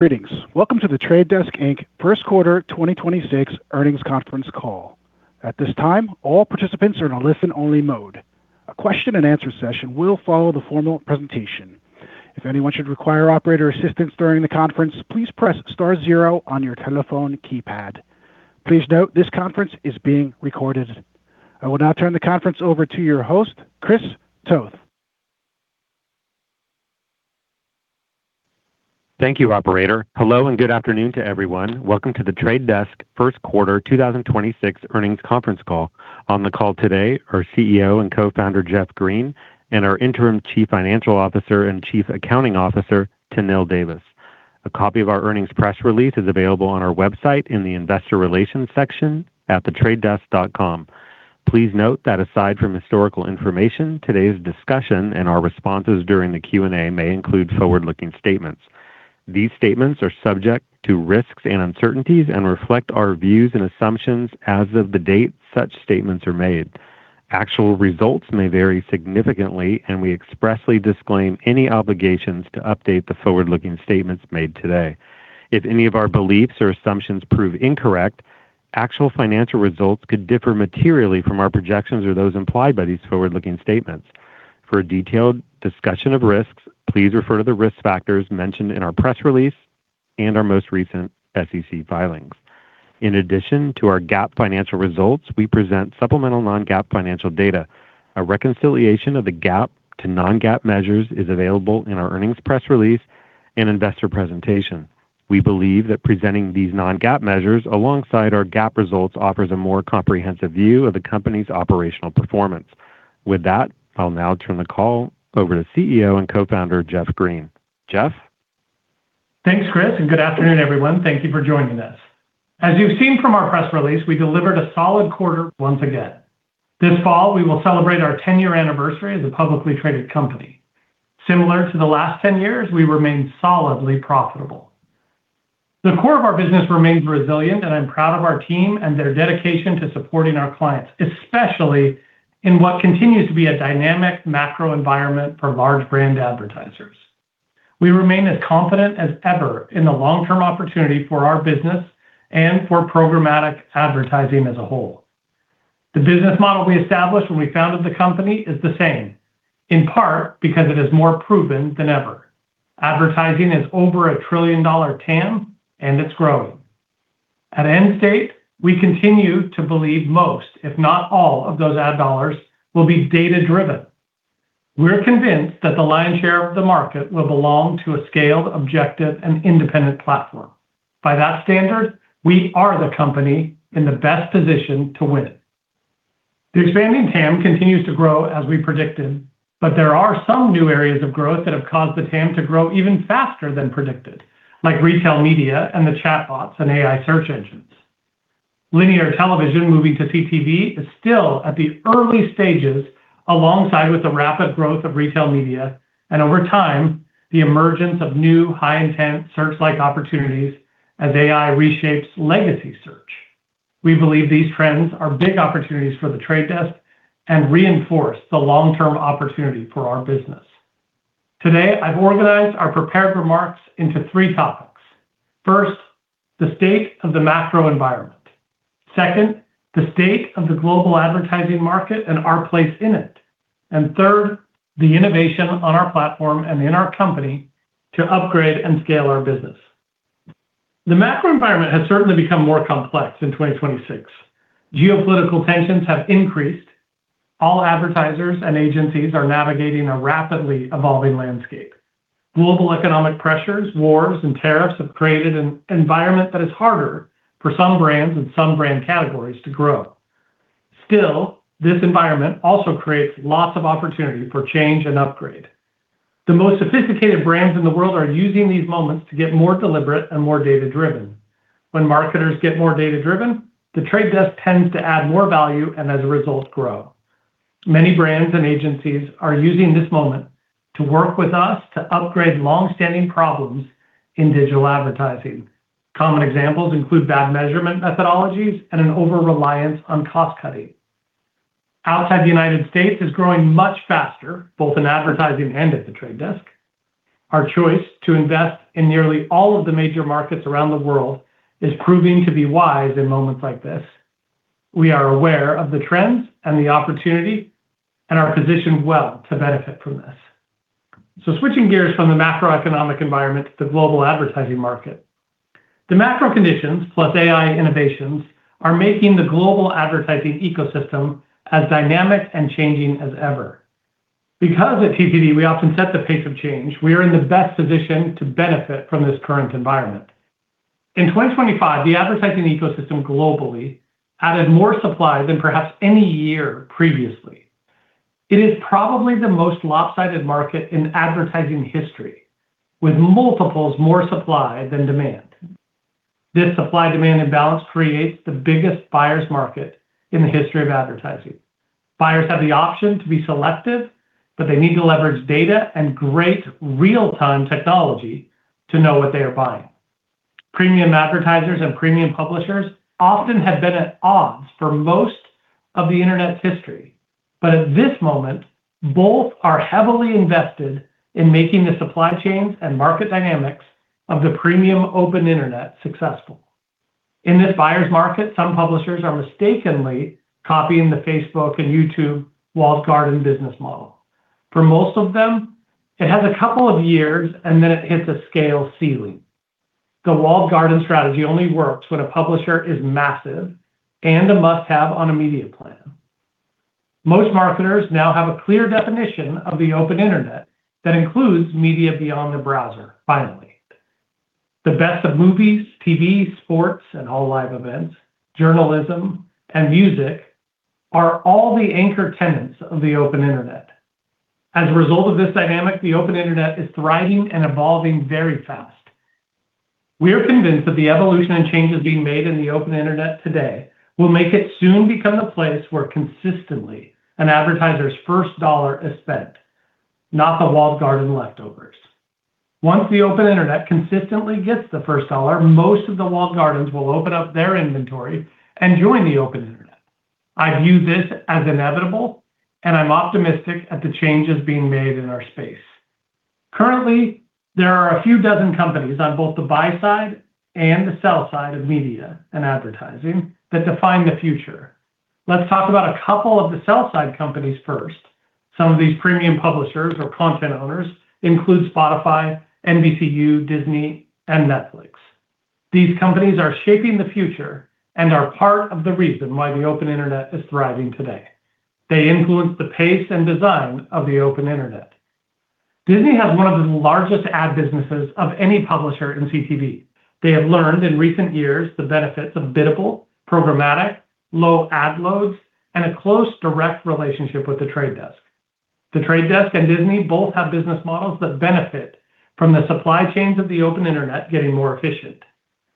Greetings. Welcome to The Trade Desk Inc. 1st quarter 2026 earnings conference call. I will now turn the conference over to your host, Chris Toth. Thank you, operator. Hello, good afternoon to everyone. Welcome to The Trade Desk first quarter 2026 earnings conference call. On the call today are CEO and Co-Founder Jeff Green and our Interim Chief Financial Officer and Chief Accounting Officer, Tahnil Davis. A copy of our earnings press release is available on our website in the investor relations section at thetradedesk.com. Please note that aside from historical information, today's discussion and our responses during the Q&A may include forward-looking statements. These statements are subject to risks and uncertainties and reflect our views and assumptions as of the date such statements are made. Actual results may vary significantly, and we expressly disclaim any obligations to update the forward-looking statements made today. If any of our beliefs or assumptions prove incorrect, actual financial results could differ materially from our projections or those implied by these forward-looking statements. For a detailed discussion of risks, please refer to the risk factors mentioned in our press release and our most recent SEC filings. In addition to our GAAP financial results, we present supplemental Non-GAAP financial data. A reconciliation of the GAAP to Non-GAAP measures is available in our earnings press release and investor presentation. We believe that presenting these Non-GAAP measures alongside our GAAP results offers a more comprehensive view of the company's operational performance. With that, I'll now turn the call over to CEO and Co-Founder Jeff Green. Jeff? Thanks, Chris, and good afternoon, everyone. Thank you for joining us. As you've seen from our press release, we delivered a solid quarter once again. This fall, we will celebrate our 10-year anniversary as a publicly traded company. Similar to the last 10 years, we remain solidly profitable. The core of our business remains resilient, and I'm proud of our team and their dedication to supporting our clients, especially in what continues to be a dynamic macro environment for large brand advertisers. We remain as confident as ever in the long-term opportunity for our business and for programmatic advertising as a whole. The business model we established when we founded the company is the same, in part because it is more proven than ever. Advertising is over a trillion-dollar TAM, and it's growing. At end state, we continue to believe most, if not all, of those ad dollars will be data-driven. We're convinced that the lion's share of the market will belong to a scaled, objective, and independent platform. By that standard, we are the company in the best position to win. The expanding TAM continues to grow as we predicted, but there are some new areas of growth that have caused the TAM to grow even faster than predicted, like retail media and the chatbots and AI search engines. Linear television moving to CTV is still at the early stages alongside with the rapid growth of retail media, and over time, the emergence of new high-intent search-like opportunities as AI reshapes legacy search. We believe these trends are big opportunities for The Trade Desk and reinforce the long-term opportunity for our business. Today, I've organized our prepared remarks into three topics. The state of the macro environment. The state of the global advertising market and our place in it. Third, the innovation on our platform and in our company to upgrade and scale our business. The macro environment has certainly become more complex in 2026. Geopolitical tensions have increased. All advertisers and agencies are navigating a rapidly evolving landscape. Global economic pressures, wars, and tariffs have created an environment that is harder for some brands and some brand categories to grow. This environment also creates lots of opportunity for change and upgrade. The most sophisticated brands in the world are using these moments to get more deliberate and more data-driven. When marketers get more data-driven, The Trade Desk tends to add more value and as a result grow. Many brands and agencies are using this moment to work with us to upgrade long-standing problems in digital advertising. Common examples include bad measurement methodologies and an over-reliance on cost-cutting. Outside the United States is growing much faster, both in advertising and at The Trade Desk. Our choice to invest in nearly all of the major markets around the world is proving to be wise in moments like this. We are aware of the trends and the opportunity and are positioned well to benefit from this. Switching gears from the macroeconomic environment to the global advertising market. The macro conditions plus AI innovations are making the global advertising ecosystem as dynamic and changing as ever. Because at TTD we often set the pace of change, we are in the best position to benefit from this current environment. In 2025, the advertising ecosystem globally added more supply than perhaps any year previously. It is probably the most lopsided market in advertising history, with multiples more supply than demand. This supply-demand imbalance creates the biggest buyer's market in the history of advertising. Buyers have the option to be selective, but they need to leverage data and great real-time technology to know what they are buying. Premium advertisers and premium publishers often have been at odds for most of the internet's history. At this moment, both are heavily invested in making the supply chains and market dynamics of the premium open internet successful. In this buyer's market, some publishers are mistakenly copying the Facebook and YouTube walled garden business model. For most of them, it has a couple of years, and then it hits a scale ceiling. The walled garden strategy only works when a publisher is massive and a must-have on a media plan. Most marketers now have a clear definition of the open internet that includes media beyond the browser, finally. The best of movies, TV, sports, and all live events, journalism, and music are all the anchor tenants of the open internet. As a result of this dynamic, the open internet is thriving and evolving very fast. We are convinced that the evolution and changes being made in the open internet today will make it soon become the place where consistently an advertiser's first dollar is spent, not the walled garden leftovers. Once the open internet consistently gets the first dollar, most of the walled gardens will open up their inventory and join the open internet. I view this as inevitable, and I'm optimistic at the changes being made in our space. Currently, there are a few dozen companies on both the buy side and the sell side of media and advertising that define the future. Let's talk about a couple of the sell-side companies first. Some of these premium publishers or content owners include Spotify, NBCU, Disney, and Netflix. These companies are shaping the future and are part of the reason why the open internet is thriving today. They influence the pace and design of the open internet. Disney has one of the largest ad businesses of any publisher in CTV. They have learned in recent years the benefits of biddable, programmatic, low ad loads, and a close direct relationship with The Trade Desk. The Trade Desk and Disney both have business models that benefit from the supply chains of the open internet getting more efficient.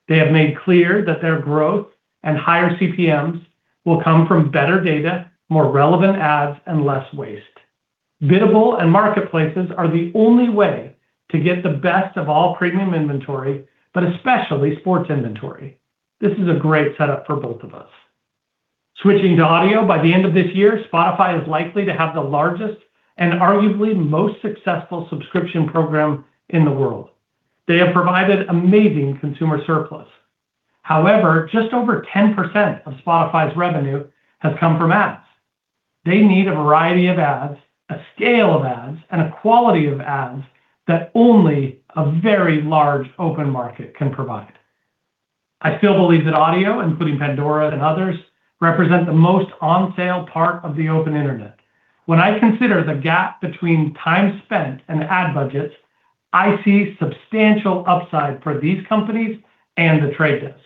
They have made clear that their growth and higher CPMs will come from better data, more relevant ads, and less waste. Biddable and marketplaces are the only way to get the best of all premium inventory, but especially sports inventory. This is a great setup for both of us. Switching to audio, by the end of this year, Spotify is likely to have the largest and arguably most successful subscription program in the world. They have provided amazing consumer surplus. However, just over 10% of Spotify's revenue has come from ads. They need a variety of ads, a scale of ads, and a quality of ads that only a very large open market can provide. I still believe that audio, including Pandora and others, represent the most on-sale part of the open internet. When I consider the gap between time spent and ad budgets, I see substantial upside for these companies and The Trade Desk.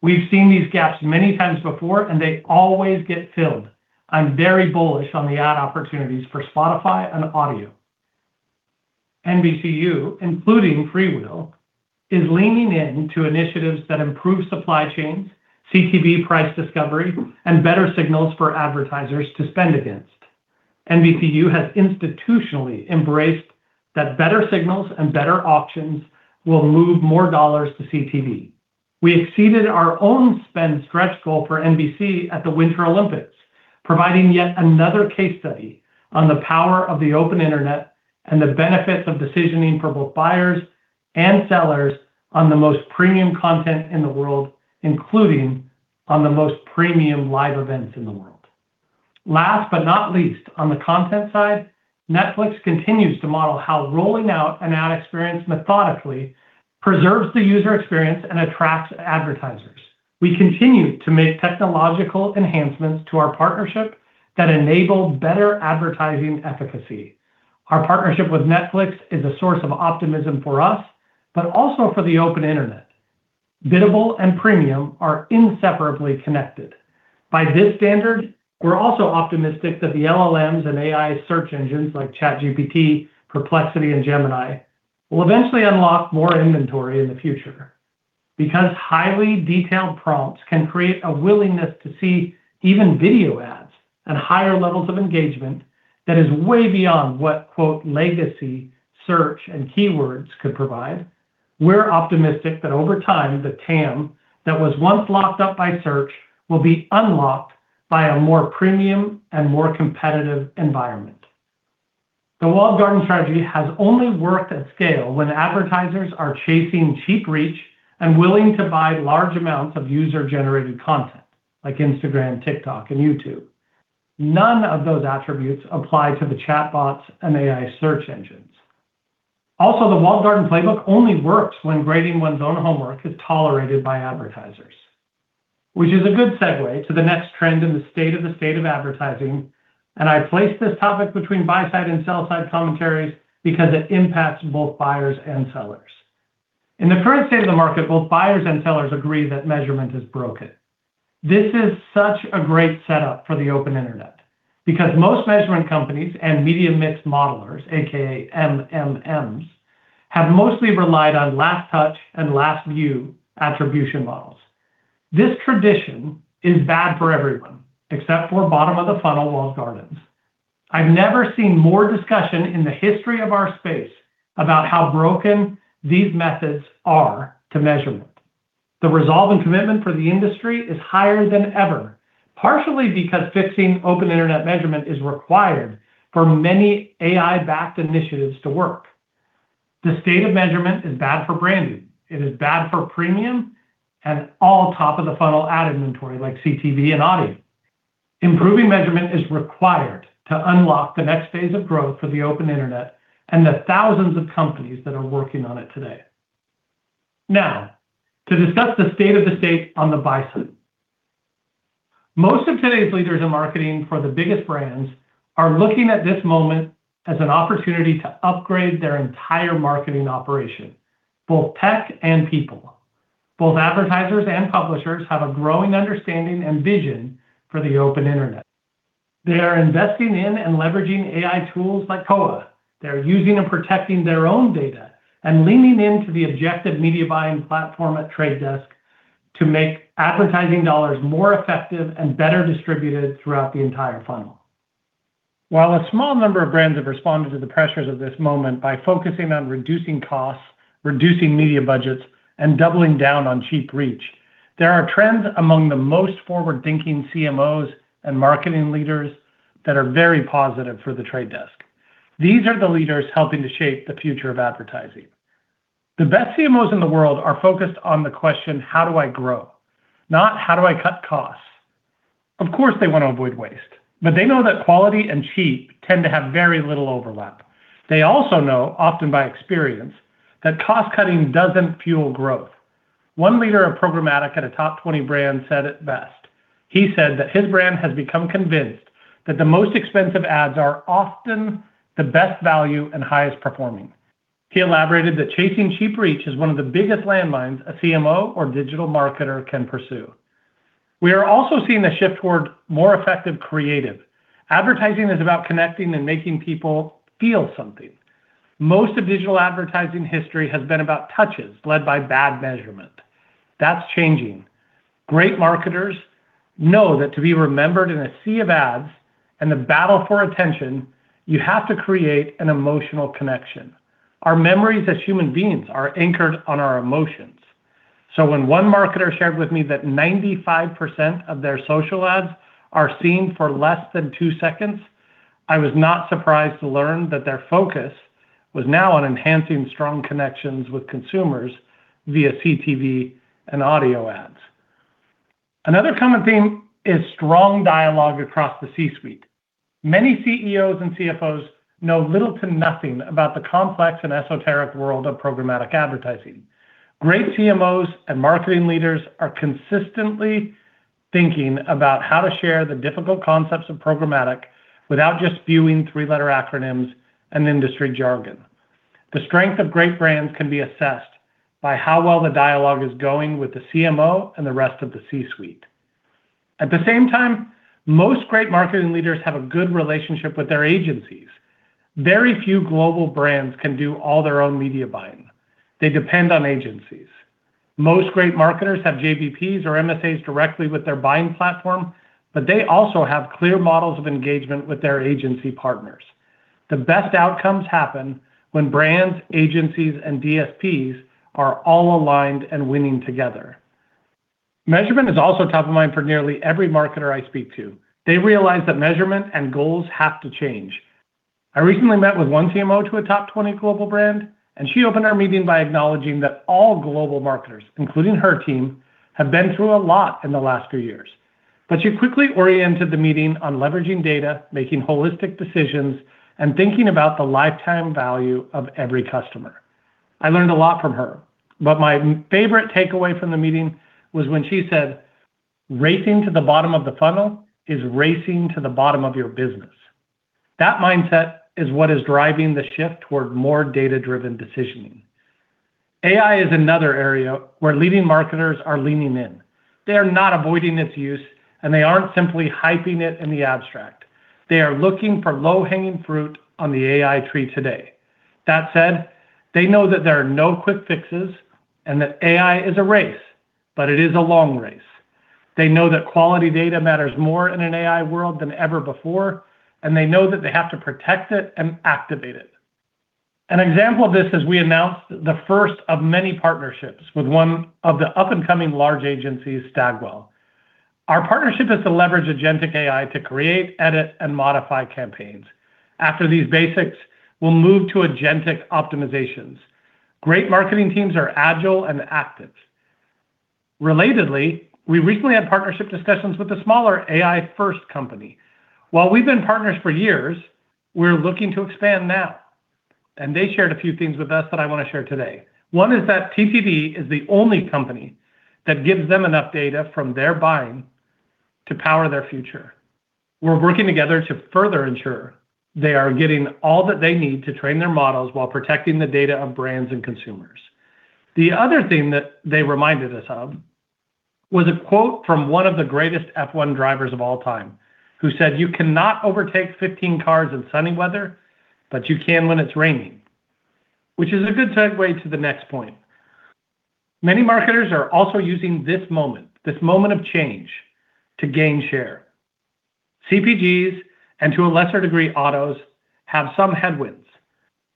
We've seen these gaps many times before, and they always get filled. I'm very bullish on the ad opportunities for Spotify and audio. NBCU, including FreeWheel, is leaning into initiatives that improve supply chains, CTV price discovery, and better signals for advertisers to spend against. NBCU has institutionally embraced that better signals and better options will move more dollars to CTV. We exceeded our own spend stretch goal for NBC at the Winter Olympics, providing yet another case study on the power of the open internet and the benefits of decisioning for both buyers and sellers on the most premium content in the world, including on the most premium live events in the world. Last but not least, on the content side, Netflix continues to model how rolling out an ad experience methodically preserves the user experience and attracts advertisers. We continue to make technological enhancements to our partnership that enable better advertising efficacy. Our partnership with Netflix is a source of optimism for us, but also for the open internet. Biddable and premium are inseparably connected. By this standard, we're also optimistic that the LLMs and AI search engines like ChatGPT, Perplexity, and Gemini will eventually unlock more inventory in the future. Because highly detailed prompts can create a willingness to see even video ads and higher levels of engagement that is way beyond what, quote, "legacy" search and keywords could provide. We're optimistic that over time, the TAM that was once locked up by search will be unlocked by a more premium and more competitive environment. The walled garden strategy has only worked at scale when advertisers are chasing cheap reach and willing to buy large amounts of user-generated content like Instagram, TikTok, and YouTube. None of those attributes apply to the chatbots and AI search engines. The walled garden playbook only works when grading one's own homework is tolerated by advertisers, which is a good segue to the next trend in the state of the state of advertising. I place this topic between buy-side and sell-side commentaries because it impacts both buyers and sellers. In the current state of the market, both buyers and sellers agree that measurement is broken. This is such a great setup for the open internet because most measurement companies and media mix modelers, aka MMMs, have mostly relied on last touch and last view attribution models. This tradition is bad for everyone, except for bottom-of-the-funnel walled gardens. I've never seen more discussion in the history of our space about how broken these methods are to measurement. The resolve and commitment for the industry is higher than ever, partially because fixing open internet measurement is required for many AI-backed initiatives to work. The state of measurement is bad for branding, it is bad for premium, and all top of the funnel ad inventory like CTV and audio. Improving measurement is required to unlock the next phase of growth for the open internet and the thousands of companies that are working on it today. To discuss the state of the state on the buy-side. Most of today's leaders in marketing for the biggest brands are looking at this moment as an opportunity to upgrade their entire marketing operation, both tech and people. Both advertisers and publishers have a growing understanding and vision for the open internet. They are investing in and leveraging AI tools like Koa. They're using and protecting their own data and leaning into the objective media buying platform at The Trade Desk to make advertising dollars more effective and better distributed throughout the entire funnel. While a small number of brands have responded to the pressures of this moment by focusing on reducing costs, reducing media budgets, and doubling down on cheap reach, there are trends among the most forward-thinking CMOs and marketing leaders that are very positive for The Trade Desk. These are the leaders helping to shape the future of advertising. The best CMOs in the world are focused on the question, how do I grow, not how do I cut costs. Of course, they want to avoid waste, but they know that quality and cheap tend to have very little overlap. They also know, often by experience, that cost-cutting doesn't fuel growth. One leader of programmatic at a top 20 brand said it best. He said that his brand has become convinced that the most expensive ads are often the best value and highest performing. He elaborated that chasing cheap reach is one of the biggest landmines a CMO or digital marketer can pursue. We are also seeing a shift toward more effective creative. Advertising is about connecting and making people feel something. Most of digital advertising history has been about touches led by bad measurement. That's changing. Great marketers know that to be remembered in a sea of ads and the battle for attention, you have to create an emotional connection. Our memories as human beings are anchored on our emotions. When one marketer shared with me that 95% of their social ads are seen for less than two seconds, I was not surprised to learn that their focus was now on enhancing strong connections with consumers via CTV and audio ads. Another common theme is strong dialogue across the C-suite. Many CEOs and CFOs know little to nothing about the complex and esoteric world of programmatic advertising. Great CMOs and marketing leaders are consistently thinking about how to share the difficult concepts of programmatic without just viewing three-letter acronyms and industry jargon. The strength of great brands can be assessed by how well the dialogue is going with the CMO and the rest of the C-suite. At the same time, most great marketing leaders have a good relationship with their agencies. Very few global brands can do all their own media buying. They depend on agencies. Most great marketers have JBPs or MSAs directly with their buying platform, but they also have clear models of engagement with their agency partners. The best outcomes happen when brands, agencies, and DSPs are all aligned and winning together. Measurement is also top of mind for nearly every marketer I speak to. They realize that measurement and goals have to change. I recently met with one CMO to a top 20 global brand, and she opened our meeting by acknowledging that all global marketers, including her team, have been through a lot in the last few years. She quickly oriented the meeting on leveraging data, making holistic decisions, and thinking about the lifetime value of every customer. I learned a lot from her, but my favorite takeaway from the meeting was when she said, "Racing to the bottom of the funnel is racing to the bottom of your business." That mindset is what is driving the shift toward more data-driven decisioning. AI is another area where leading marketers are leaning in. They are not avoiding its use, and they aren't simply hyping it in the abstract. They are looking for low-hanging fruit on the AI tree today. That said, they know that there are no quick fixes and that AI is a race, but it is a long race. They know that quality data matters more in an AI world than ever before, and they know that they have to protect it and activate it. An example of this is we announced the first of many partnerships with one of the up-and-coming large agencies, Stagwell. Our partnership is to leverage agentic AI to create, edit, and modify campaigns. After these basics, we'll move to agentic optimizations. Great marketing teams are agile and active. Relatedly, we recently had partnership discussions with a smaller AI-first company. While we've been partners for years, we're looking to expand now, and they shared a few things with us that I wanna share today. One is that TTD is the only company that gives them enough data from their buying to power their future. We're working together to further ensure they are getting all that they need to train their models while protecting the data of brands and consumers. The other thing that they reminded us of was a quote from one of the greatest F1 drivers of all time who said, "You cannot overtake 15 cars in sunny weather, but you can when it's raining." Which is a good segue to the next point. Many marketers are also using this moment, this moment of change to gain share. CPGs, and to a lesser degree, autos, have some headwinds.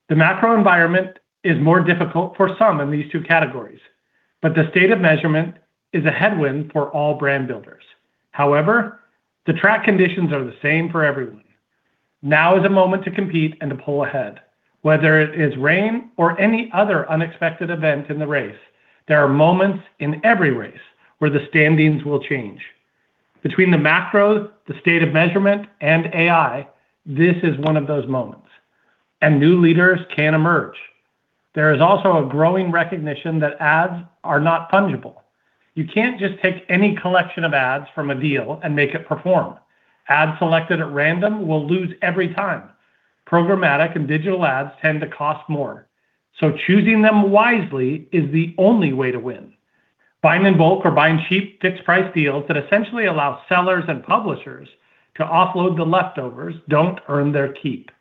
The macro environment is more difficult for some in these two categories. The state of measurement is a headwind for all brand builders. However, the track conditions are the same for everyone. Now is a moment to compete and to pull ahead. Whether it is rain or any other unexpected event in the race, there are moments in every race where the standings will change. Between the macros, the state of measurement, and AI, this is one of those moments, and new leaders can emerge. There is also a growing recognition that ads are not fungible. You can't just take any collection of ads from a deal and make it perform. Ads selected at random will lose every time. Programmatic and digital ads tend to cost more, so choosing them wisely is the only way to win. Buying in bulk or buying cheap fixed-price deals that essentially allow sellers and publishers to offload the leftovers don't earn their keep.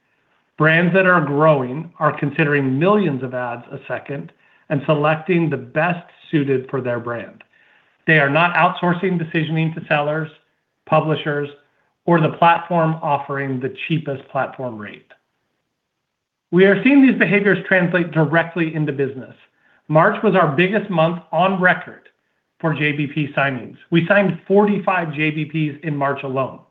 Brands that are growing are considering millions of ads a second and selecting the best suited for their brand. They are not outsourcing decisioning to sellers, publishers, or the platform offering the cheapest platform rate. We are seeing these behaviors translate directly into business. March was our biggest month on record for JBP signings. We signed 45 JBPs in March alone.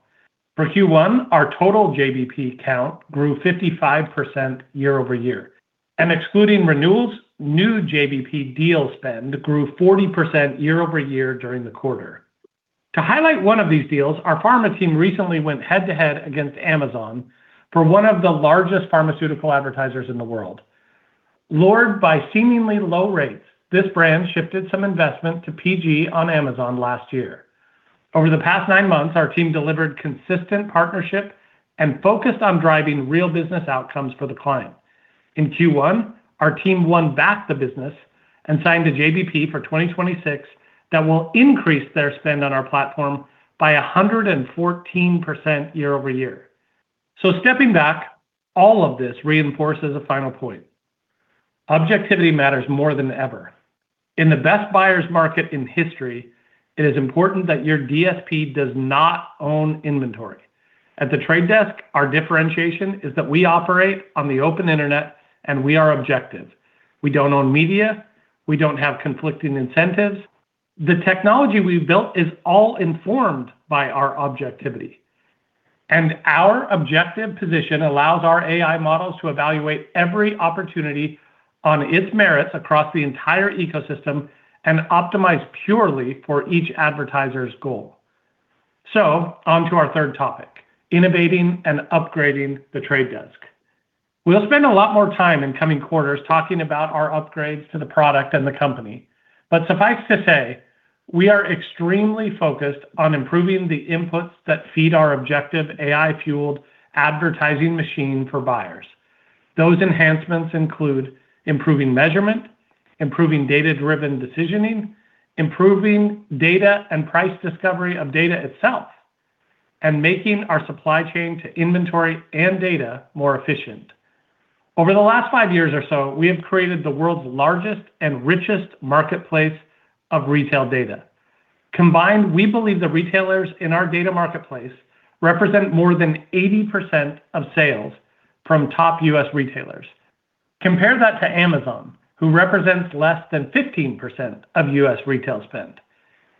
For Q1, our total JBP count grew 55% year-over-year, and excluding renewals, new JBP deal spend grew 40% year-over-year during the quarter. To highlight one of these deals, our pharma team recently went head-to-head against Amazon for one of the largest pharmaceutical advertisers in the world. Lured by seemingly low rates, this brand shifted some investment to PG on Amazon last year. Over the past nine months, our team delivered consistent partnership and focused on driving real business outcomes for the client. In Q1, our team won back the business and signed a JBP for 2026 that will increase their spend on our platform by 114% year-over-year. Stepping back, all of this reinforces a final point. Objectivity matters more than ever. In the best buyer's market in history, it is important that your DSP does not own inventory. At The Trade Desk, our differentiation is that we operate on the open internet, and we are objective. We don't own media. We don't have conflicting incentives. The technology we've built is all informed by our objectivity, and our objective position allows our AI models to evaluate every opportunity on its merits across the entire ecosystem and optimize purely for each advertiser's goal. On to our third topic, innovating and upgrading The Trade Desk. We'll spend a lot more time in coming quarters talking about our upgrades to the product and the company. Suffice to say, we are extremely focused on improving the inputs that feed our objective AI-fueled advertising machine for buyers. Those enhancements include improving measurement, improving data-driven decisioning, improving data and price discovery of data itself, and making our supply chain to inventory and data more efficient. Over the last five years or so, we have created the world's largest and richest marketplace of retail data. Combined, we believe the retailers in our data marketplace represent more than 80% of sales from top U.S. retailers. Compare that to Amazon, who represents less than 15% of U.S. retail spend.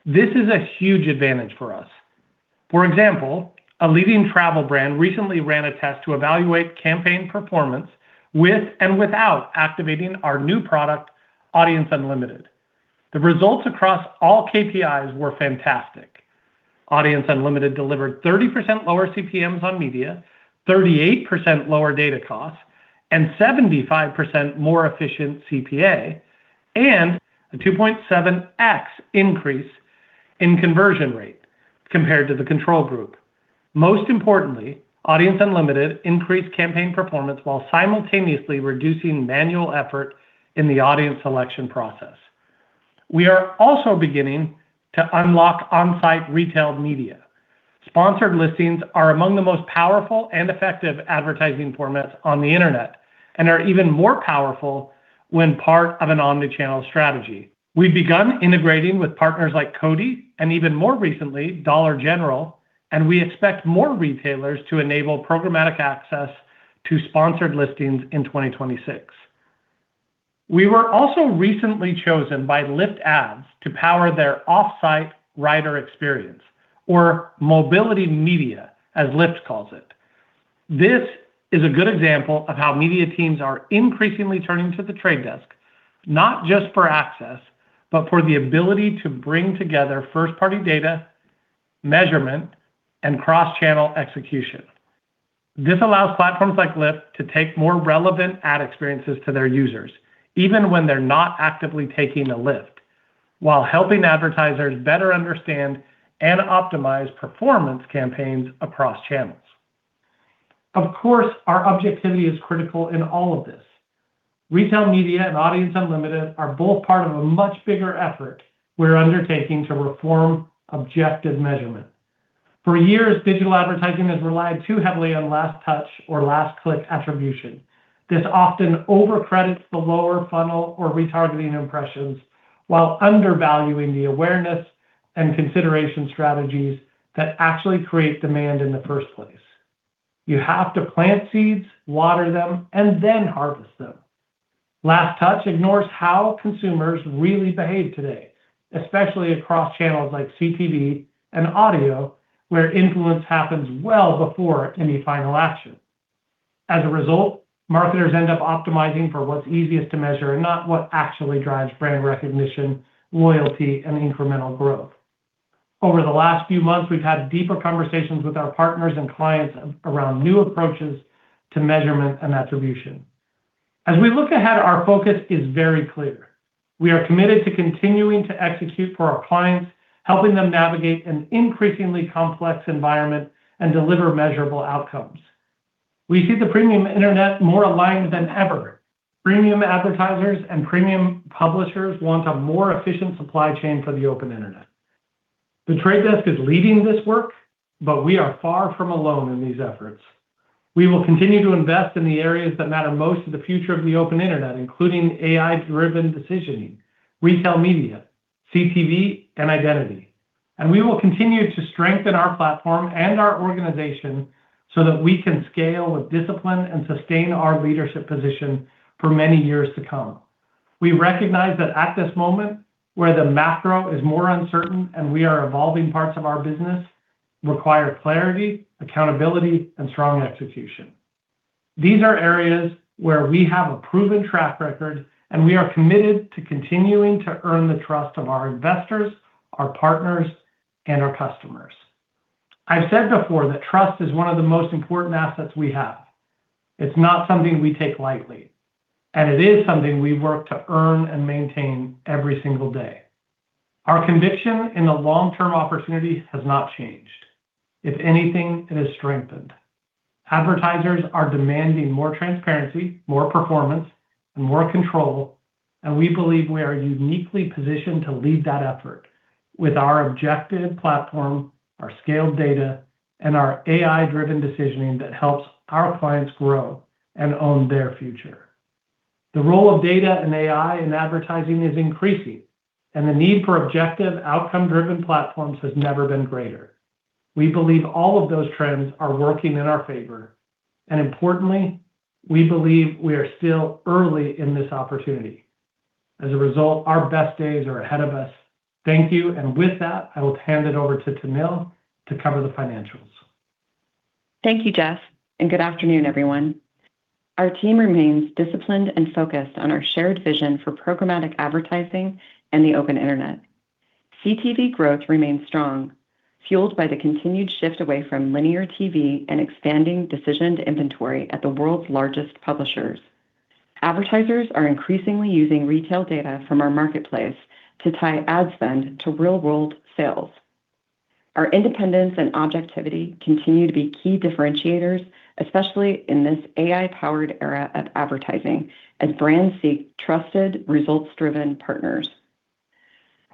This is a huge advantage for us. For example, a leading travel brand recently ran a test to evaluate campaign performance with and without activating our new product, Audience Unlimited. The results across all KPIs were fantastic. Audience Unlimited delivered 30% lower CPMs on media, 38% lower data costs, and 75% more efficient CPA, and a 2.7x increase in conversion rate compared to the control group. Most importantly, Audience Unlimited increased campaign performance while simultaneously reducing manual effort in the audience selection process. We are also beginning to unlock on-site retail media. Sponsored listings are among the most powerful and effective advertising formats on the internet and are even more powerful when part of an omnichannel strategy. We've begun integrating with partners like Kevel and even more recently, Dollar General, and we expect more retailers to enable programmatic access to sponsored listings in 2026. We were also recently chosen by Lyft Ads to power their off-site rider experience or mobility media, as Lyft calls it. This is a good example of how media teams are increasingly turning to The Trade Desk, not just for access, but for the ability to bring together first-party data, measurement, and cross-channel execution. This allows platforms like Lyft to take more relevant ad experiences to their users, even when they're not actively taking a Lyft, while helping advertisers better understand and optimize performance campaigns across channels. Of course, our objectivity is critical in all of this. Retail media and Audience Unlimited are both part of a much bigger effort we're undertaking to reform objective measurement. For years, digital advertising has relied too heavily on last touch or last click attribution. This often over credits the lower funnel or retargeting impressions while undervaluing the awareness and consideration strategies that actually create demand in the first place. You have to plant seeds, water them, and then harvest them. Last touch ignores how consumers really behave today, especially across channels like CTV and audio, where influence happens well before any final action. As a result, marketers end up optimizing for what's easiest to measure and not what actually drives brand recognition, loyalty, and incremental growth. Over the last few months, we've had deeper conversations with our partners and clients around new approaches to measurement and attribution. As we look ahead, our focus is very clear. We are committed to continuing to execute for our clients, helping them navigate an increasingly complex environment and deliver measurable outcomes. We see the premium internet more aligned than ever. Premium advertisers and premium publishers want a more efficient supply chain for the open internet. The Trade Desk is leading this work, but we are far from alone in these efforts. We will continue to invest in the areas that matter most to the future of the open internet, including AI-driven decisioning, retail media, CTV, and identity. We will continue to strengthen our platform and our organization so that we can scale with discipline and sustain our leadership position for many years to come. We recognize that at this moment, where the macro is more uncertain and we are evolving parts of our business, require clarity, accountability, and strong execution. These are areas where we have a proven track record, and we are committed to continuing to earn the trust of our investors, our partners, and our customers. I've said before that trust is one of the most important assets we have. It's not something we take lightly, and it is something we work to earn and maintain every single day. Our conviction in the long-term opportunity has not changed. If anything, it has strengthened. Advertisers are demanding more transparency, more performance, and more control, and we believe we are uniquely positioned to lead that effort with our objective platform, our scaled data, and our AI-driven decisioning that helps our clients grow and own their future. The role of data and AI in advertising is increasing, and the need for objective, outcome-driven platforms has never been greater. We believe all of those trends are working in our favor, and importantly, we believe we are still early in this opportunity. As a result, our best days are ahead of us. Thank you. And with that, I will hand it over to Tahnil to cover the financials. Thank you, Jeff, and good afternoon, everyone. Our team remains disciplined and focused on our shared vision for programmatic advertising and the open internet. CTV growth remains strong, fueled by the continued shift away from linear TV and expanding decisioned inventory at the world's largest publishers. Advertisers are increasingly using retail data from our marketplace to tie ad spend to real-world sales. Our independence and objectivity continue to be key differentiators, especially in this AI-powered era of advertising as brands seek trusted, results-driven partners.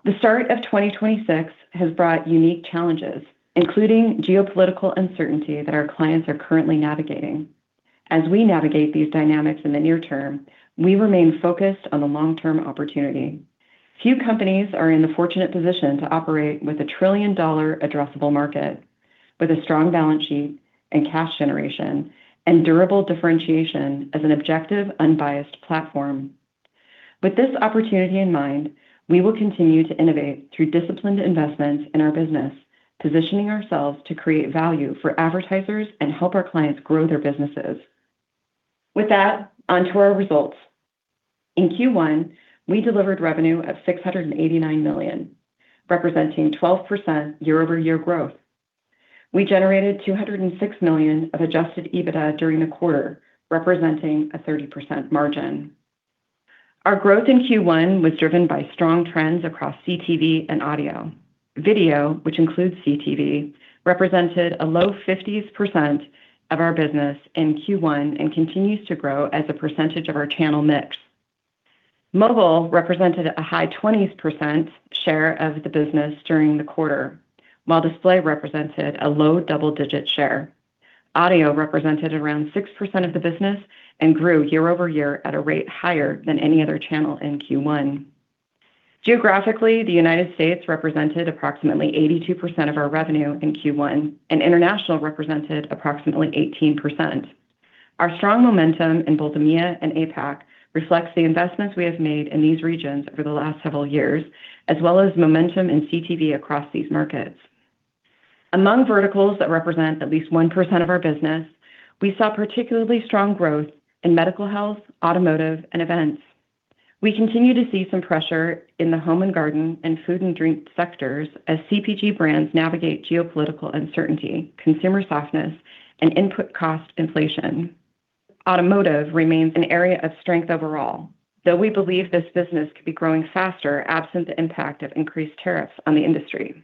The start of 2026 has brought unique challenges, including geopolitical uncertainty that our clients are currently navigating. As we navigate these dynamics in the near term, we remain focused on the long-term opportunity. Few companies are in the fortunate position to operate with a trillion-dollar addressable market, with a strong balance sheet and cash generation, and durable differentiation as an objective, unbiased platform. With this opportunity in mind, we will continue to innovate through disciplined investment in our business, positioning ourselves to create value for advertisers and help our clients grow their businesses. With that, on to our results. In Q1, we delivered revenue of $689 million, representing 12% year-over-year growth. We generated $206 million of adjusted EBITDA during the quarter, representing a 30% margin. Our growth in Q1 was driven by strong trends across CTV and audio. Video, which includes CTV, represented a low 50s% of our business in Q1 and continues to grow as a percentage of our channel mix. Mobile represented a high 20s% share of the business during the quarter, while display represented a low double-digit share. Audio represented around 6% of the business and grew year-over-year at a rate higher than any other channel in Q1. Geographically, the U.S. represented approximately 82% of our revenue in Q1, and international represented approximately 18%. Our strong momentum in both EMEA and APAC reflects the investments we have made in these regions over the last several years, as well as momentum in CTV across these markets. Among verticals that represent at least 1% of our business, we saw particularly strong growth in medical health, automotive, and events. We continue to see some pressure in the home and garden and food and drink sectors as CPG brands navigate geopolitical uncertainty, consumer softness, and input cost inflation. Automotive remains an area of strength overall, though we believe this business could be growing faster absent the impact of increased tariffs on the industry.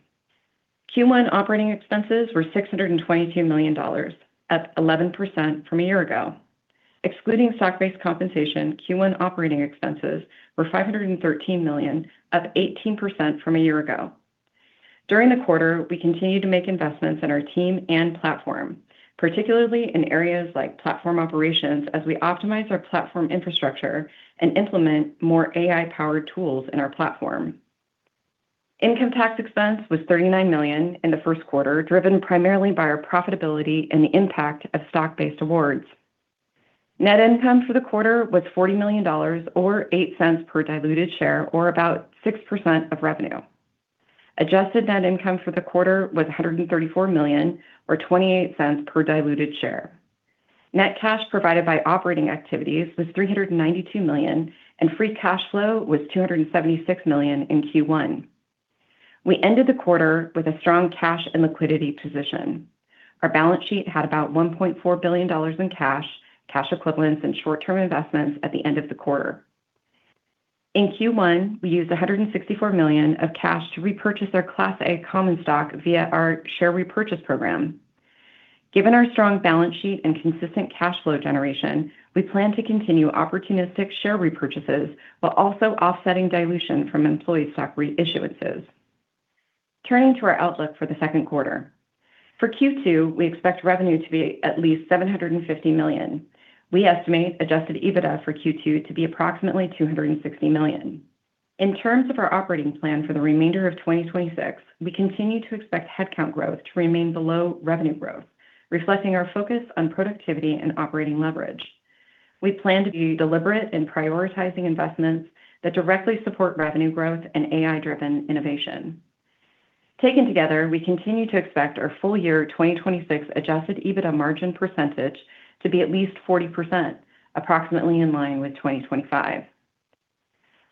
Q1 operating expenses were $622 million, up 11% from a year ago. Excluding stock-based compensation, Q1 operating expenses were $513 million, up 18% from a year ago. During the quarter, we continued to make investments in our team and platform, particularly in areas like platform operations as we optimize our platform infrastructure and implement more AI-powered tools in our platform. Income tax expense was $39 million in the first quarter, driven primarily by our profitability and the impact of stock-based awards. Net income for the quarter was $40 million or $0.08 per diluted share, or about 6% of revenue. Adjusted net income for the quarter was $134 million or $0.28 per diluted share. Net cash provided by operating activities was $392 million, and free cash flow was $276 million in Q1. We ended the quarter with a strong cash and liquidity position. Our balance sheet had about $1.4 billion in cash equivalents and short-term investments at the end of the quarter. In Q1, we used $164 million of cash to repurchase our Class A common stock via our share repurchase program. Given our strong balance sheet and consistent cash flow generation, we plan to continue opportunistic share repurchases while also offsetting dilution from employee stock reissuances. Turning to our outlook for the second quarter. For Q2, we expect revenue to be at least $750 million. We estimate adjusted EBITDA for Q2 to be approximately $260 million. In terms of our operating plan for the remainder of 2026, we continue to expect headcount growth to remain below revenue growth, reflecting our focus on productivity and operating leverage. We plan to be deliberate in prioritizing investments that directly support revenue growth and AI-driven innovation. Taken together, we continue to expect our full year 2026 adjusted EBITDA margin percentage to be at least 40%, approximately in line with 2025.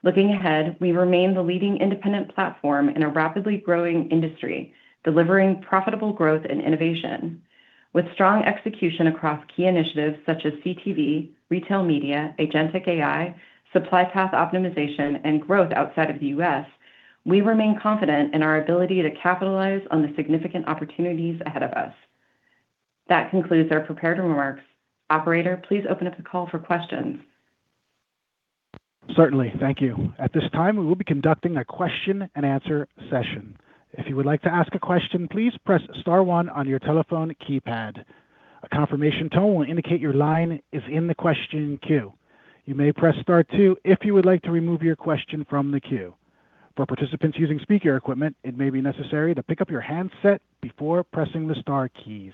Looking ahead, we remain the leading independent platform in a rapidly growing industry, delivering profitable growth and innovation. With strong execution across key initiatives such as CTV, retail media, agentic AI, supply path optimization, and growth outside of the U.S., we remain confident in our ability to capitalize on the significant opportunities ahead of us. That concludes our prepared remarks. Operator, please open up the call for questions. Certainly. Thank you. At this time, we will be conducting a question and answer session. If you would like to ask a question, please press star one on your telephone keypad. A confirmation tone will indicate your line is in the question queue. You may press star two if you would like to remove your question from the queue. For participants using speaker equipment, it may be necessary to pick up your handset before pressing the star keys.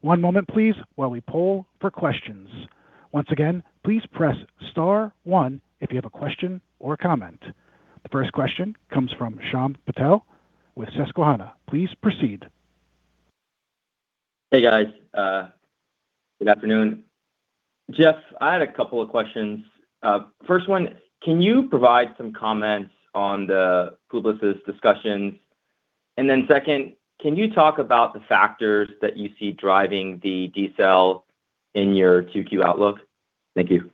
One moment, please, while we poll for questions. Once again, please press star one if you have a question or comment. The first question comes from Shyam Patil with Susquehanna. Please proceed. Hey, guys. good afternoon. Jeff, I had a couple of questions. first one, can you provide some comments on the Publicis discussions? second, can you talk about the factors that you see driving the decel in your Q2 outlook? Thank you.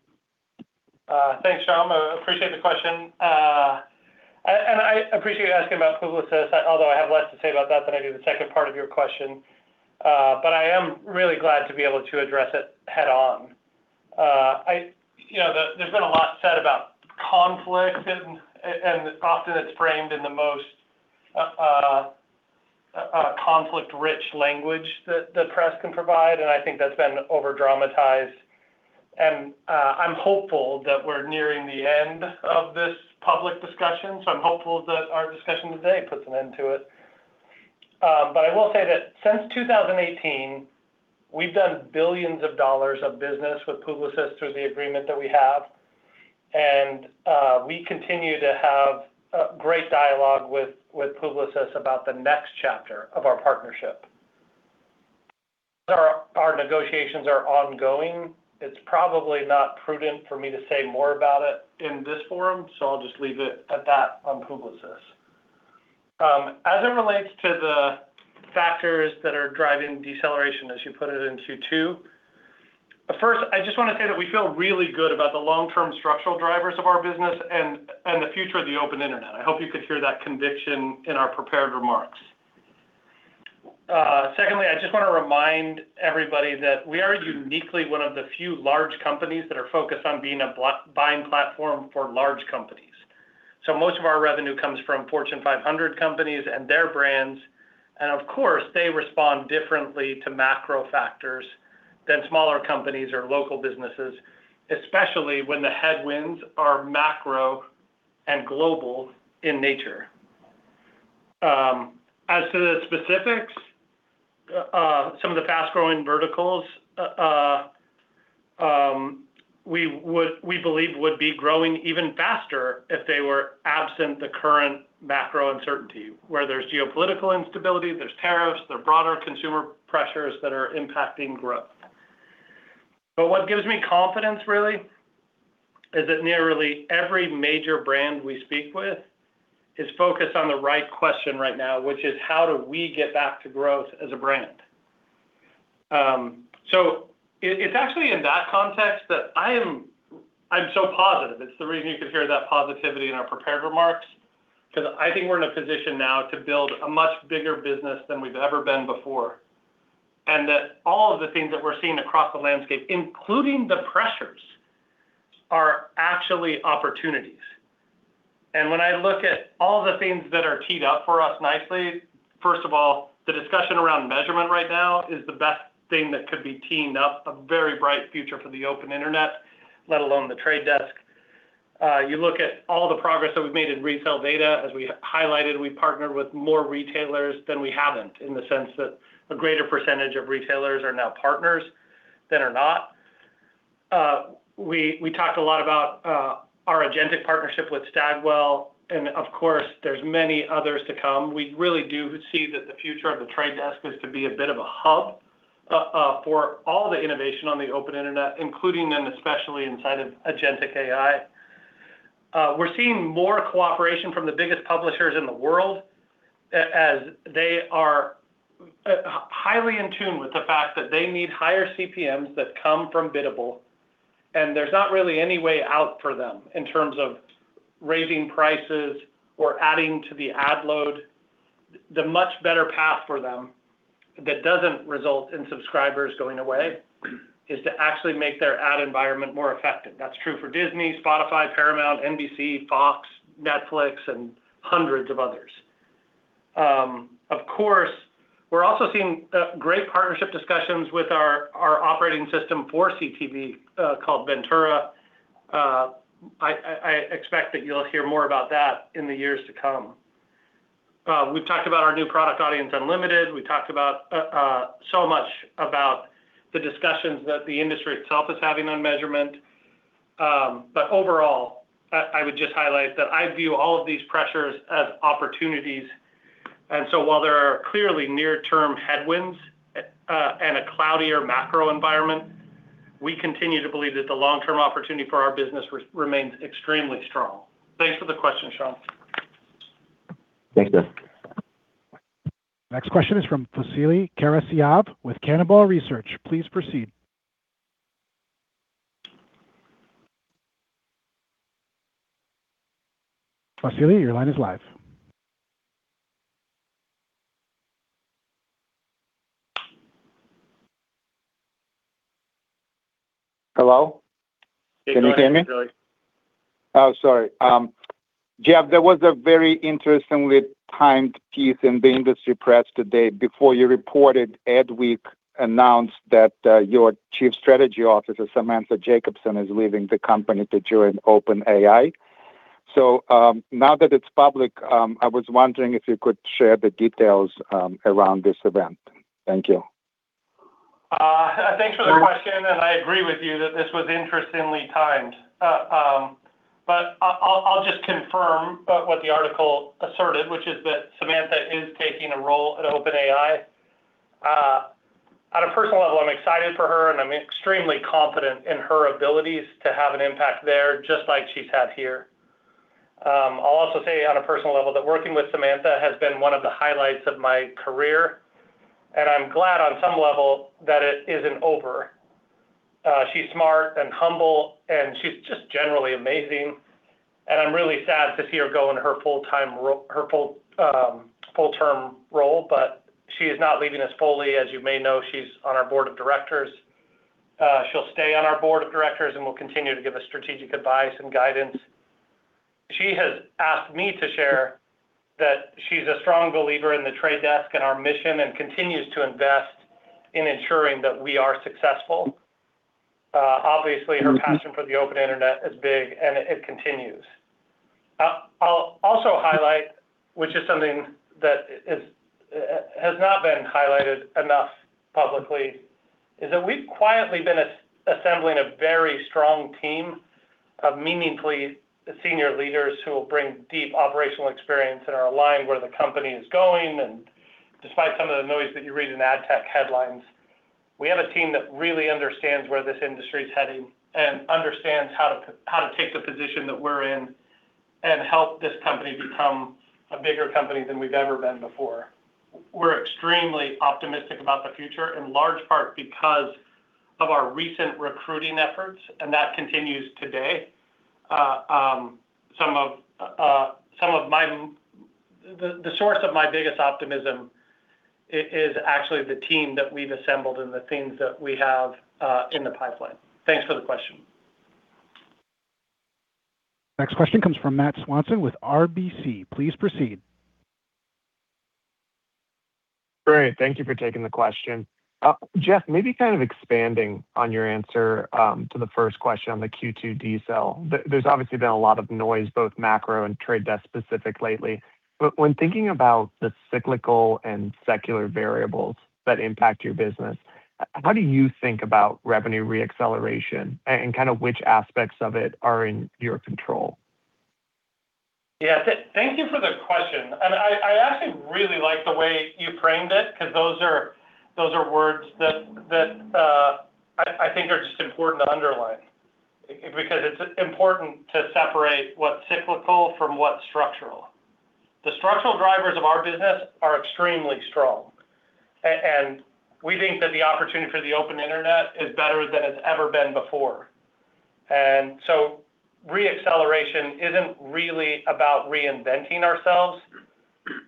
Thanks, Shyam. I appreciate the question. I appreciate you asking about Publicis, although I have less to say about that than I do the second part of your question. I am really glad to be able to address it head on. You know, there's been a lot said about conflict and often it's framed in the most conflict-rich language that the press can provide, and I think that's been over-dramatized. I'm hopeful that we're nearing the end of this public discussion, so I'm hopeful that our discussion today puts an end to it. I will say that since 2018, we've done billions of dollars of business with Publicis through the agreement that we have. We continue to have a great dialogue with Publicis about the next chapter of our partnership. Our negotiations are ongoing. It's probably not prudent for me to say more about it in this forum, so I'll just leave it at that on Publicis. As it relates to the factors that are driving deceleration, as you put it, in Q2, first, I just wanna say that we feel really good about the long-term structural drivers of our business and the future of the open internet. I hope you could hear that conviction in our prepared remarks. Secondly, I just wanna remind everybody that we are uniquely one of the few large companies that are focused on being a buying platform for large companies. Most of our revenue comes from Fortune 500 companies and their brands, and of course, they respond differently to macro factors than smaller companies or local businesses, especially when the headwinds are macro and global in nature. As to the specifics, some of the fast-growing verticals, we believe would be growing even faster if they were absent the current macro uncertainty, where there's geopolitical instability, there's tariffs, there are broader consumer pressures that are impacting growth. What gives me confidence really is that nearly every major brand we speak with is focused on the right question right now, which is: how do we get back to growth as a brand? It's actually in that context that I'm so positive. It's the reason you could hear that positivity in our prepared remarks, 'cause I think we're in a position now to build a much bigger business than we've ever been before. That all of the things that we're seeing across the landscape, including the pressures, are actually opportunities. When I look at all the things that are teed up for us nicely, first of all, the discussion around measurement right now is the best thing that could be teed up, a very bright future for the open internet, let alone The Trade Desk. You look at all the progress that we've made in retail data. As we highlighted, we partnered with more retailers than we haven't, in the sense that a greater percentage of retailers are now partners than are not. We talked a lot about our agentic partnership with Stagwell, and of course, there's many others to come. We really do see that the future of The Trade Desk is to be a bit of a hub for all the innovation on the open internet, including and especially inside of agentic AI. We're seeing more cooperation from the biggest publishers in the world as they are highly in tune with the fact that they need higher CPMs that come from biddable, and there's not really any way out for them in terms of raising prices or adding to the ad load. The much better path for them that doesn't result in subscribers going away is to actually make their ad environment more effective. That's true for Disney, Spotify, Paramount, NBC, Fox, Netflix, and hundreds of others. Of course, we're also seeing great partnership discussions with our operating system for CTV, called Ventura. I expect that you'll hear more about that in the years to come. We've talked about our new product, Audience Unlimited. We talked about so much about the discussions that the industry itself is having on measurement. Overall, I would just highlight that I view all of these pressures as opportunities. While there are clearly near-term headwinds and a cloudier macro environment, we continue to believe that the long-term opportunity for our business remains extremely strong. Thanks for the question, Shyam. Thanks, Jeff. Next question is from Vasily Karasyov with Cannonball Research. Please proceed. Vasily, your line is live. Hello? Can you hear me? Yeah, go ahead, Vasily. Oh, sorry. Jeff, there was a very interestingly timed piece in the industry press today. Before you reported, Adweek announced that your Chief Strategy Officer, Samantha Jacobson, is leaving the company to join OpenAI. Now that it's public, I was wondering if you could share the details around this event. Thank you. Thanks for the question, and I agree with you that this was interestingly timed. I'll just confirm what the article asserted, which is that Samantha is taking a role at OpenAI. On a personal level, I'm excited for her, and I'm extremely confident in her abilities to have an impact there, just like she's had here. I'll also say on a personal level that working with Samantha has been one of the highlights of my career, and I'm glad on some level that it isn't over. She's smart and humble, and she's just generally amazing, and I'm really sad to see her go in her full-term role, but she is not leaving us fully. As you may know, she's on our board of directors. She'll stay on our board of directors and will continue to give us strategic advice and guidance. She has asked me to share that she's a strong believer in The Trade Desk and our mission and continues to invest in ensuring that we are successful. Obviously her passion for the open internet is big, and it continues. I'll also highlight, which is something that is, has not been highlighted enough publicly, is that we've quietly been assembling a very strong team of meaningfully senior leaders who will bring deep operational experience and are aligned where the company is going. Despite some of the noise that you read in ad tech headlines, we have a team that really understands where this industry is heading and understands how to take the position that we're in and help this company become a bigger company than we've ever been before. We're extremely optimistic about the future, in large part because of our recent recruiting efforts, and that continues today. Some of the source of my biggest optimism is actually the team that we've assembled and the things that we have in the pipeline. Thanks for the question. Next question comes from Matt Swanson with RBC. Please proceed. Great. Thank you for taking the question. Jeff, maybe kind of expanding on your answer to the first question on the Q2 decel. There's obviously been a lot of noise, both macro and The Trade Desk specific lately. When thinking about the cyclical and secular variables that impact your business, how do you think about revenue re-acceleration and, kind of, which aspects of it are in your control? Thank you for the question, and I actually really like the way you framed it because those are words that I think are just important to underline. Because it's important to separate what's cyclical from what's structural. The structural drivers of our business are extremely strong. And we think that the opportunity for the open internet is better than it's ever been before. Re-acceleration isn't really about reinventing ourselves.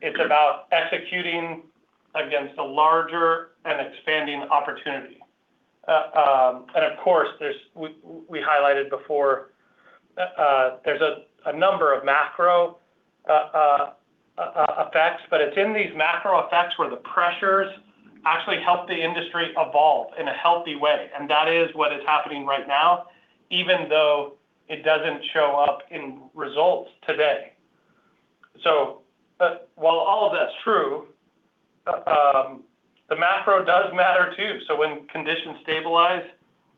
It's about executing against a larger and expanding opportunity. Of course, We highlighted before, there's a number of macro effects. It's in these macro effects where the pressures actually help the industry evolve in a healthy way. That is what is happening right now, even though it doesn't show up in results today. While all of that's true, the macro does matter too. When conditions stabilize,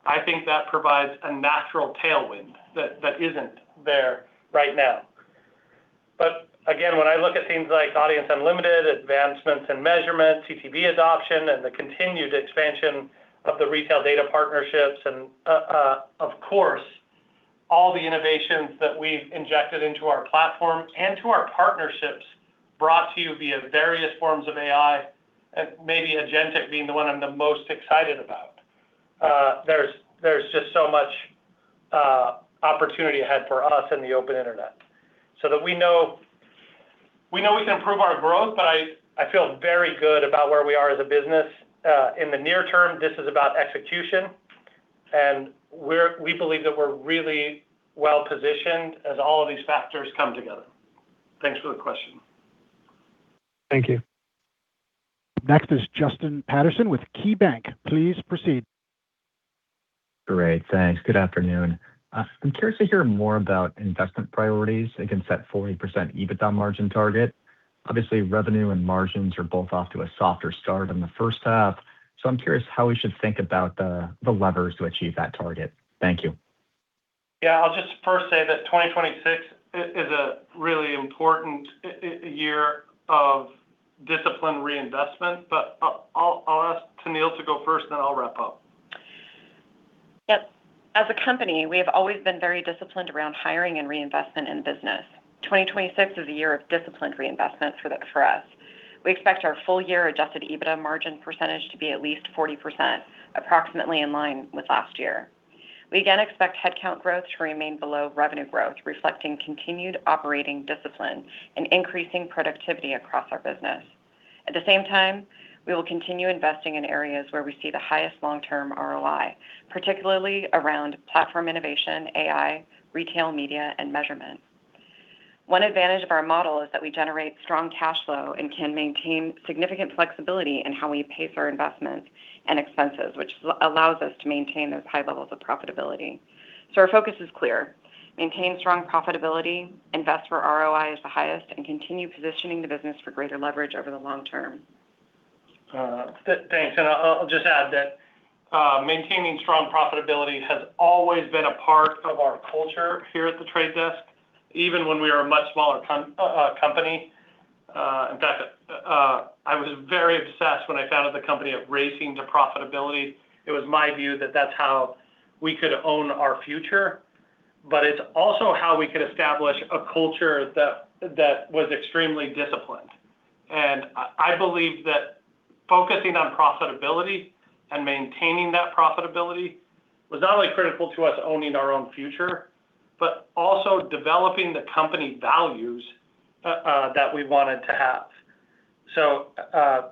I think that provides a natural tailwind that isn't there right now. Again, when I look at things like Audience Unlimited, advancements in measurement, CTV adoption, and the continued expansion of the retail data partnerships, and, of course, all the innovations that we've injected into our platform and to our partnerships brought to you via various forms of AI, and maybe agentic being the one I'm the most excited about, there's just so much opportunity ahead for us in the open internet. That we know we can improve our growth, but I feel very good about where we are as a business. In the near term, this is about execution, we believe that we're really well-positioned as all of these factors come together. Thanks for the question. Thank you. Next is Justin Patterson with KeyBanc. Please proceed. Great. Thanks. Good afternoon. I'm curious to hear more about investment priorities against that 40% EBITDA margin target. Obviously, revenue and margins are both off to a softer start in the first half, so I'm curious how we should think about the levers to achieve that target. Thank you. Yeah. I'll just first say that 2026 is a really important year of disciplined reinvestment. I'll ask Tahnil to go first, then I'll wrap up. Yep. As a company, we have always been very disciplined around hiring and reinvestment in business. 2026 is a year of disciplined reinvestment for us. We expect our full year adjusted EBITDA margin percentage to be at least 40%, approximately in line with last year. We again expect headcount growth to remain below revenue growth, reflecting continued operating discipline and increasing productivity across our business. At the same time, we will continue investing in areas where we see the highest long-term ROI, particularly around platform innovation, AI, retail media, and measurement. One advantage of our model is that we generate strong cash flow and can maintain significant flexibility in how we pace our investments and expenses, which allows us to maintain those high levels of profitability. Our focus is clear. Maintain strong profitability, invest where ROI is the highest, and continue positioning the business for greater leverage over the long term. Thanks. I'll just add that maintaining strong profitability has always been a part of our culture here at The Trade Desk, even when we were a much smaller company. In fact, I was very obsessed when I founded the company of racing to profitability. It was my view that that's how we could own our future, but it's also how we could establish a culture that was extremely disciplined. I believe that focusing on profitability and maintaining that profitability was not only critical to us owning our own future, but also developing the company values that we wanted to have.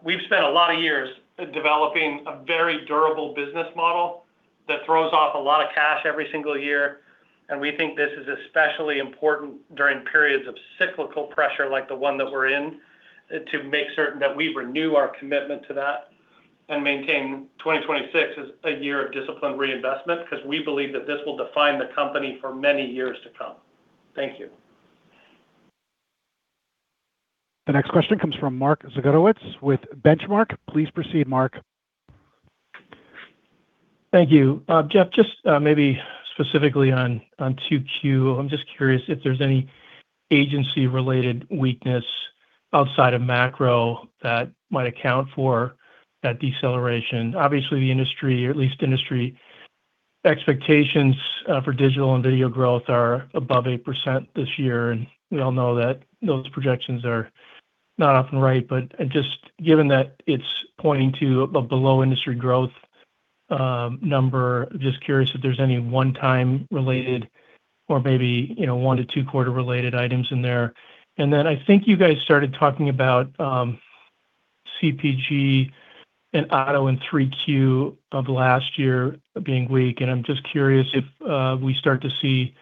We've spent a lot of years developing a very durable business model that throws off a lot of cash every single year, and we think this is especially important during periods of cyclical pressure like the one that we're in to make certain that we renew our commitment to that and maintain 2026 as a year of disciplined reinvestment because we believe that this will define the company for many years to come. Thank you. The next question comes from Mark Zgutowicz with Benchmark. Please proceed, Mark. Thank you. Jeff, just maybe specifically on 2Q, I'm just curious if there's any agency-related weakness outside of macro that might account for that deceleration. Obviously, the industry, or at least industry expectations, for digital and video growth are above 8% this year, we all know that those projections are not often right. Just given that it's pointing to a below industry growth, number, just curious if there's any 1 time related or maybe, you know, 1-2 quarter related items in there. Then I think you guys started talking about CPG and auto in 3Q of last year being weak, I'm just curious if we start to see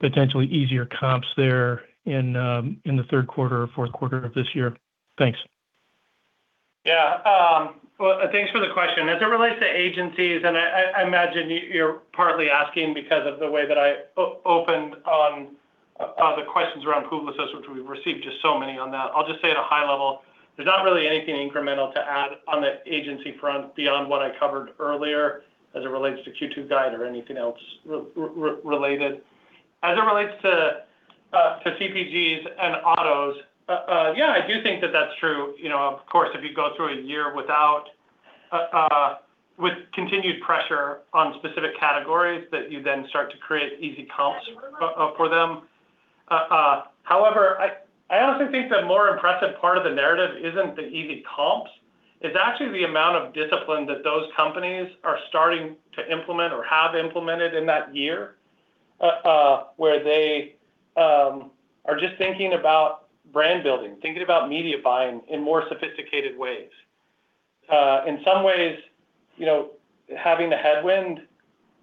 potentially easier comps there in the 3rd quarter or 4th quarter of this year. Thanks. Well, thanks for the question. As it relates to agencies, and I imagine you're partly asking because of the way that I opened on the questions around Publicis, which we've received just so many on that. I'll just say at a high level, there's not really anything incremental to add on the agency front beyond what I covered earlier as it relates to Q2 guide or anything else related. As it relates to CPGs and autos, yeah, I do think that that's true. You know, of course, if you go through a year with continued pressure on specific categories that you then start to create easy comps for them. However, I honestly think the more impressive part of the narrative isn't the easy comps, it's actually the amount of discipline that those companies are starting to implement or have implemented in that year, where they are just thinking about brand building, thinking about media buying in more sophisticated ways. In some ways, you know, having a headwind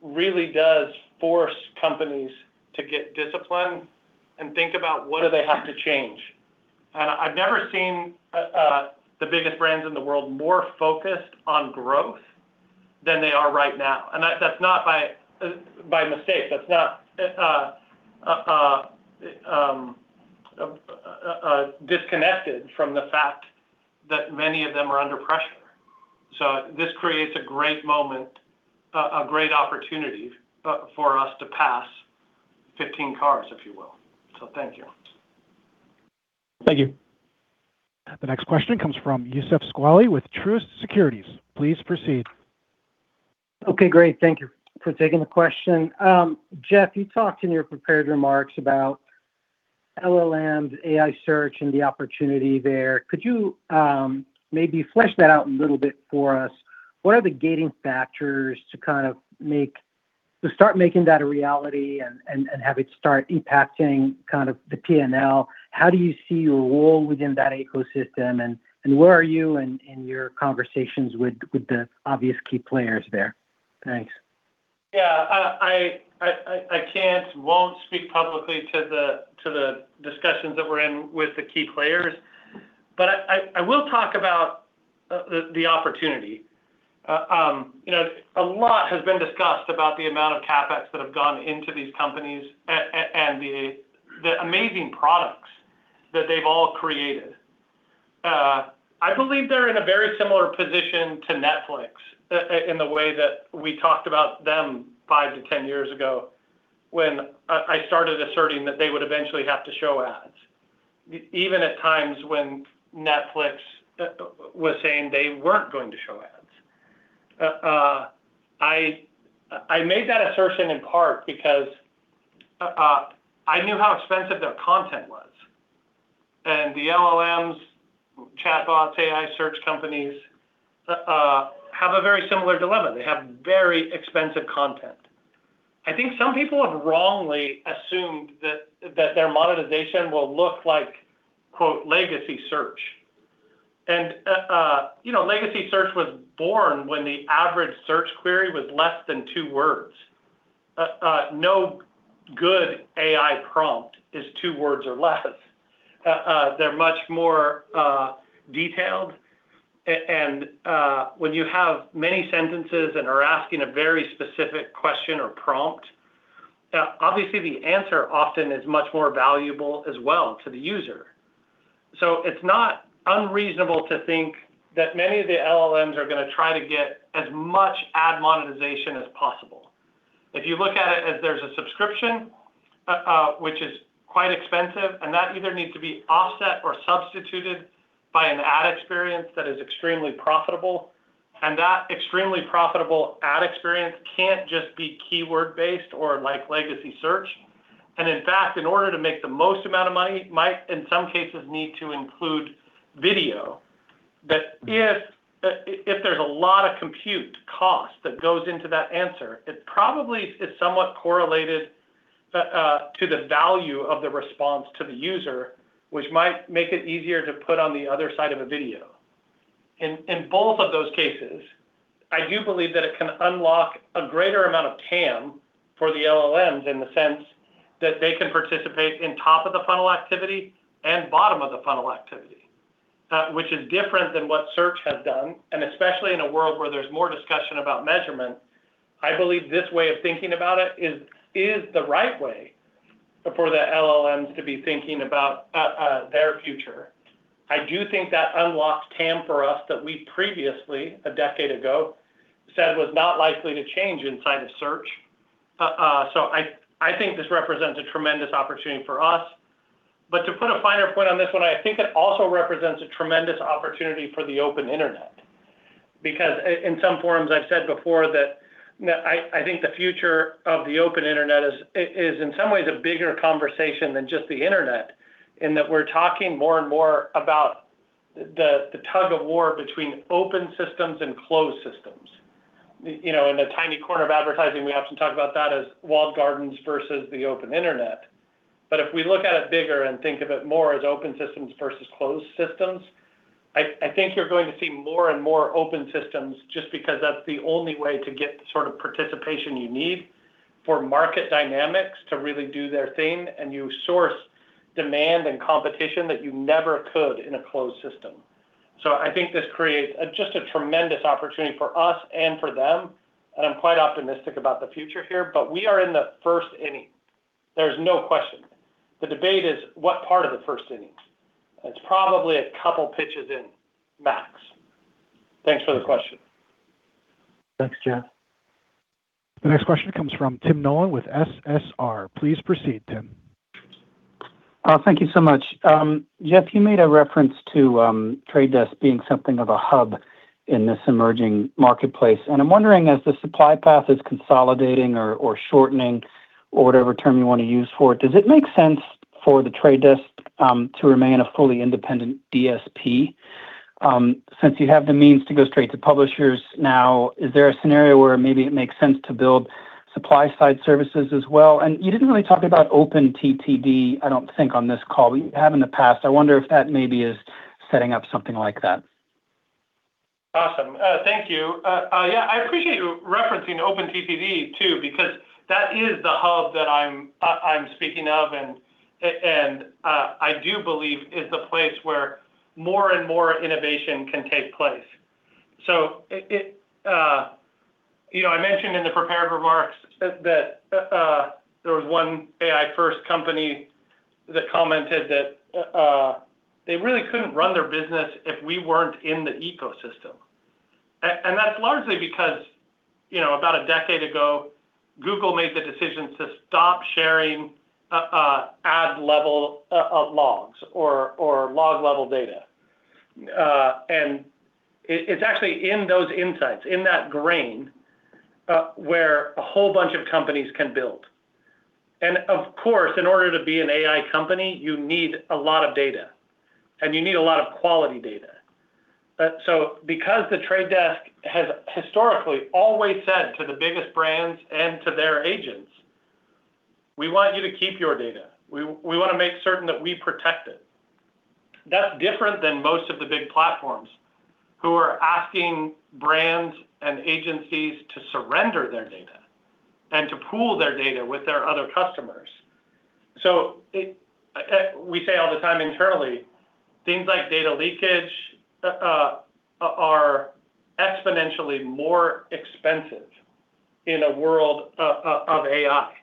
really does force companies to get discipline and think about what do they have to change. I've never seen the biggest brands in the world more focused on growth than they are right now. That's not by mistake. That's not disconnected from the fact that many of them are under pressure. This creates a great moment, a great opportunity for us to pass 15 cars, if you will. Thank you. Thank you. The next question comes from Youssef Squali with Truist Securities. Please proceed. Okay, great. Thank you for taking the question. Jeff, you talked in your prepared remarks about LLM, AI search, and the opportunity there. Could you maybe flesh that out a little bit for us? What are the gating factors to start making that a reality and have it start impacting kind of the P&L? How do you see your role within that ecosystem? Where are you in your conversations with the obvious key players there? Thanks. Yeah. I can't, won't speak publicly to the discussions that we're in with the key players, but I will talk about the opportunity. You know, a lot has been discussed about the amount of CapEx that have gone into these companies and the amazing products that they've all created. I believe they're in a very similar position to Netflix in the way that we talked about them 5 to 10 years ago when I started asserting that they would eventually have to show ads, even at times when Netflix was saying they weren't going to show ads. I made that assertion in part because I knew how expensive their content was. The LLMs, chatbots, AI search companies have a very similar dilemma. They have very expensive content. I think some people have wrongly assumed that their monetization will look like, quote, "legacy search." You know, legacy search was born when the average search query was less than 2 words. No good AI prompt is 2 words or less. They're much more detailed. And when you have many sentences and are asking a very specific question or prompt, obviously the answer often is much more valuable as well to the user. It's not unreasonable to think that many of the LLMs are gonna try to get as much ad monetization as possible. If you look at it as there's a subscription, which is quite expensive, and that either needs to be offset or substituted by an ad experience that is extremely profitable. That extremely profitable ad experience can't just be keyword-based or like legacy search. In fact, in order to make the most amount of money, might, in some cases, need to include video. That if there's a lot of compute cost that goes into that answer, it probably is somewhat correlated to the value of the response to the user, which might make it easier to put on the other side of a video. In both of those cases, I do believe that it can unlock a greater amount of TAM for the LLMs in the sense that they can participate in top-of-the-funnel activity and bottom-of-the-funnel activity, which is different than what search has done. Especially in a world where there's more discussion about measurement, I believe this way of thinking about it is the right way for the LLMs to be thinking about their future. I do think that unlocks TAM for us that we previously, a decade ago, said was not likely to change inside of search. I think this represents a tremendous opportunity for us. To put a finer point on this one, I think it also represents a tremendous opportunity for the open internet. In some forums, I've said before that, you know, I think the future of the open internet is in some ways a bigger conversation than just the Internet, in that we're talking more and more about the tug of war between open systems and closed systems. You know, in a tiny corner of advertising, we often talk about that as walled gardens versus the open internet. If we look at it bigger and think of it more as open systems versus closed systems, I think you're going to see more and more open systems just because that's the only way to get the sort of participation you need for market dynamics to really do their thing, and you source demand and competition that you never could in a closed system. I think this creates a, just a tremendous opportunity for us and for them, and I'm quite optimistic about the future here. We are in the first inning, there's no question. The debate is what part of the first inning? It's probably 2 pitches in max. Thanks for the question. Thanks, Jeff. The next question comes from Tim Nollen with SSR. Please proceed, Tim. Oh, thank you so much. Jeff, you made a reference to The Trade Desk being something of a hub in this emerging marketplace, and I'm wondering, as the supply path is consolidating or shortening or whatever term you wanna use for it, does it make sense for The Trade Desk to remain a fully independent DSP? Since you have the means to go straight to publishers now, is there a scenario where maybe it makes sense to build supply side services as well? You didn't really talk about OpenTTD, I don't think, on this call. We have in the past. I wonder if that maybe is setting up something like that. Awesome. Thank you. Yeah, I appreciate you referencing OpenTTD too, because that is the hub that I'm speaking of, and I do believe is the place where more and more innovation can take place. It, you know, I mentioned in the prepared remarks that there was 1 AI-first company that commented that they really couldn't run their business if we weren't in the ecosystem. That's largely because, you know, about a decade ago, Google made the decision to stop sharing ad level of logs or log level data. It's actually in those insights, in that grain, where a whole bunch of companies can build. Of course, in order to be an AI company, you need a lot of data and you need a lot of quality data. Because The Trade Desk has historically always said to the biggest brands and to their agents, "We want you to keep your data. We wanna make certain that we protect it." That's different than most of the big platforms who are asking brands and agencies to surrender their data and to pool their data with their other customers. We say all the time internally, things like data leakage are exponentially more expensive in a world of AI.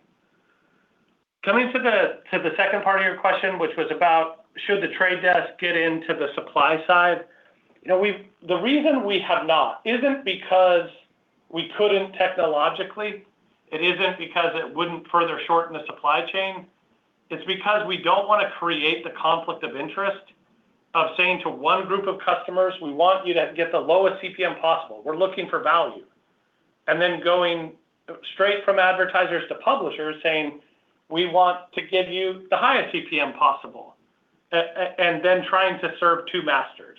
Coming to the second part of your question, which was about should The Trade Desk get into the supply side. You know, the reason we have not isn't because we couldn't technologically, it isn't because it wouldn't further shorten the supply chain. It's because we don't wanna create the conflict of interest of saying to one group of customers, "We want you to get the lowest CPM possible. We're looking for value." Then going straight from advertisers to publishers saying, "We want to give you the highest CPM possible." and then trying to serve two masters.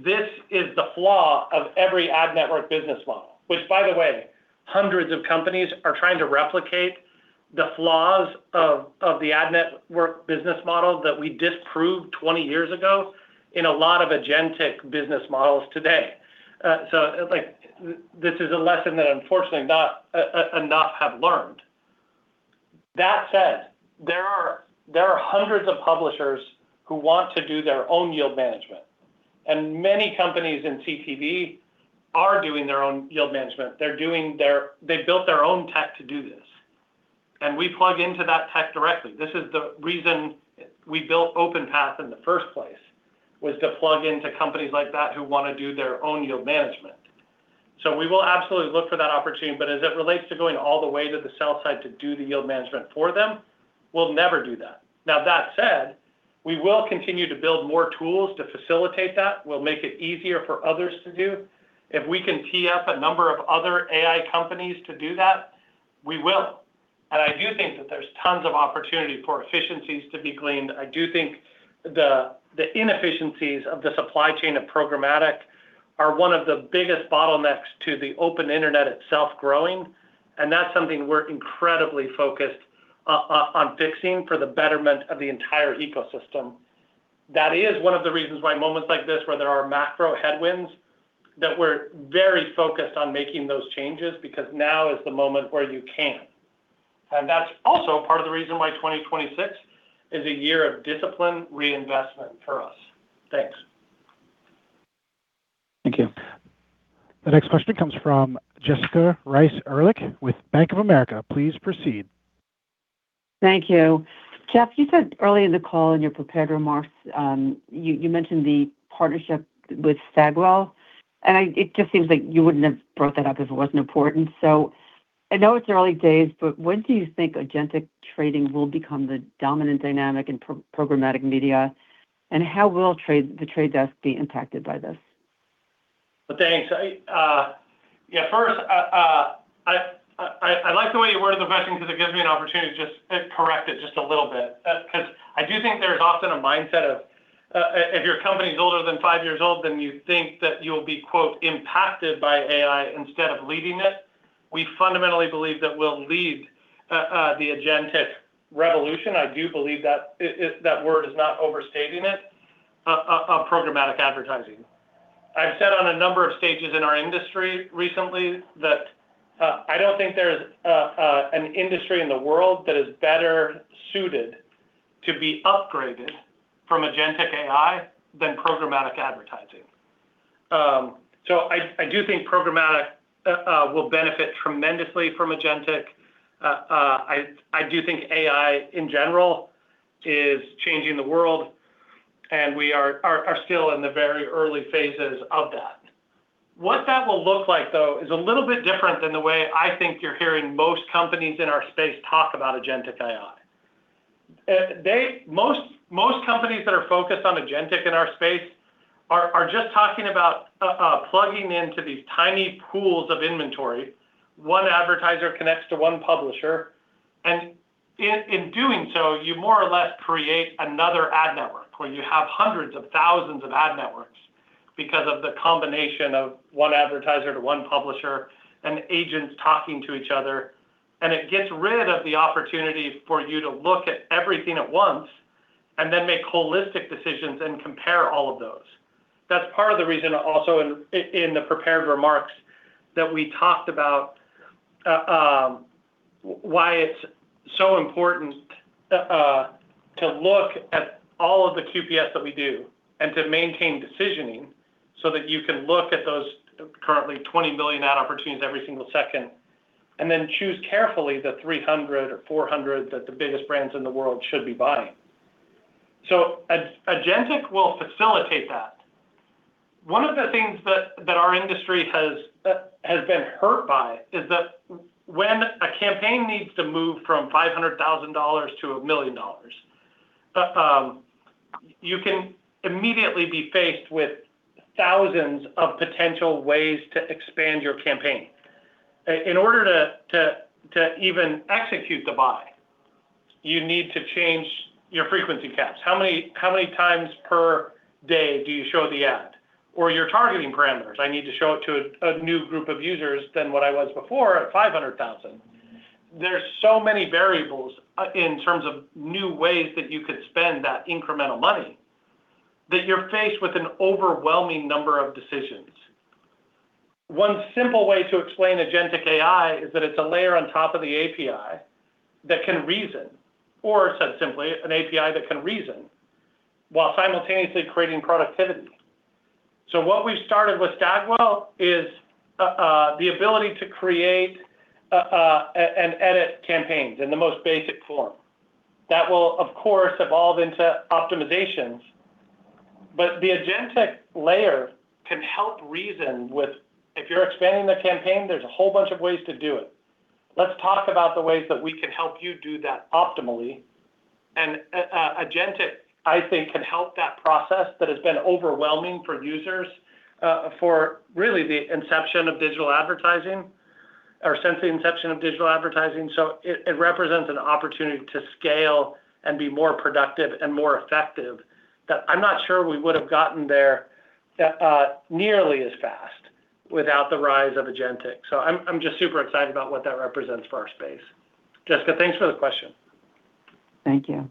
This is the flaw of every ad network business model. By the way, hundreds of companies are trying to replicate the flaws of the ad network business model that we disproved 20 years ago in a lot of agentic business models today. Like this is a lesson that unfortunately not enough have learned. That said, there are hundreds of publishers who want to do their own yield management, and many companies in CTV are doing their own yield management. They built their own tech to do this, and we plug into that tech directly. This is the reason we built OpenPath in the first place, was to plug into companies like that who wanna do their own yield management. We will absolutely look for that opportunity, but as it relates to going all the way to the sell side to do the yield management for them, we'll never do that. Now, that said, we will continue to build more tools to facilitate that. We'll make it easier for others to do. If we can tee up a number of other AI companies to do that, we will. I do think that there's tons of opportunity for efficiencies to be gleaned. I do think the inefficiencies of the supply chain of programmatic are one of the biggest bottlenecks to the open internet itself growing, and that's something we're incredibly focused on fixing for the betterment of the entire ecosystem. That is one of the reasons why moments like this, where there are macro headwinds, that we're very focused on making those changes, because now is the moment where you can. That's also part of the reason why 2026 is a year of discipline reinvestment for us. Thanks. Thank you. The next question comes from Jessica Reif Ehrlich with Bank of America. Please proceed. Thank you. Jeff, you said earlier in the call in your prepared remarks, you mentioned the partnership with Stagwell, it just seems like you wouldn't have brought that up if it wasn't important. I know it's early days, but when do you think agentic trading will become the dominant dynamic in programmatic media, and how will The Trade Desk be impacted by this? Well, thanks. I, yeah, first, I like the way you word the question because it gives me an opportunity to just correct it just a little bit, 'cause I do think there's often a mindset of, if your company's older than 5 years old, then you think that you'll be, quote, impacted by AI instead of leading it. We fundamentally believe that we'll lead, the agentic revolution. I do believe that that word is not overstating it, of programmatic advertising. I've said on a number of stages in our industry recently that, I don't think there's, an industry in the world that is better suited to be upgraded from agentic AI than programmatic advertising. I do think programmatic, will benefit tremendously from agentic. I do think AI in general is changing the world, and we are still in the very early phases of that. What that will look like, though, is a little bit different than the way I think you're hearing most companies in our space talk about agentic AI. Most companies that are focused on agentic in our space are just talking about plugging into these tiny pools of inventory. One advertiser connects to one publisher, and in doing so, you more or less create another ad network, where you have hundreds of thousands of ad networks because of the combination of one advertiser to one publisher and agents talking to each other. It gets rid of the opportunity for you to look at everything at once and then make holistic decisions and compare all of those. That's part of the reason also in the prepared remarks that we talked about why it's so important to look at all of the QPS that we do and to maintain decisioning so that you can look at those currently 20 million ad opportunities every single second and then choose carefully the 300 or 400 that the biggest brands in the world should be buying. Agentic will facilitate that. One of the things that our industry has been hurt by is that when a campaign needs to move from $500,000 to $1 million, you can immediately be faced with thousands of potential ways to expand your campaign. In order to even execute the buy, you need to change your frequency caps. How many times per day do you show the ad? Your targeting parameters, I need to show it to a new group of users than what I was before at 500,000. There's so many variables, in terms of new ways that you could spend that incremental money, that you're faced with an overwhelming number of decisions. One simple way to explain agentic AI is that it's a layer on top of the API that can reason, or said simply, an API that can reason while simultaneously creating productivity. What we've started with Stagwell is the ability to create and edit campaigns in the most basic form. That will, of course, evolve into optimizations, but the agentic layer can help reason with if you're expanding the campaign, there's a whole bunch of ways to do it. Let's talk about the ways that we can help you do that optimally. Agentic, I think, can help that process that has been overwhelming for users, for really the inception of digital advertising or since the inception of digital advertising. It represents an opportunity to scale and be more productive and more effective that I'm not sure we would have gotten there nearly as fast without the rise of agentic. I'm just super excited about what that represents for our space. Jessica, thanks for the question. Thank you.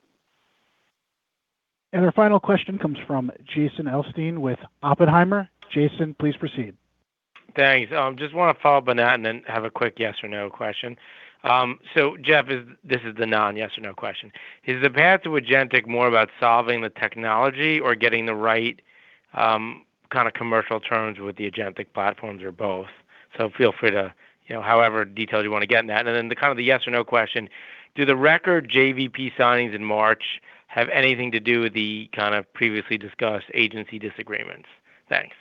Our final question comes from Jason Helfstein with Oppenheimer. Jason, please proceed. Thanks. I just wanna follow up on that and then have a quick yes or no question. Jeff, this is the non-yes or no question. Is the path to agentic more about solving the technology or getting the right, kinda commercial terms with the agentic platforms or both? Feel free to, you know, however detailed you wanna get in that. Then the kind of the yes or no question, do the record JBP signings in March have anything to do with the kinda previously discussed agency disagreements? Thanks.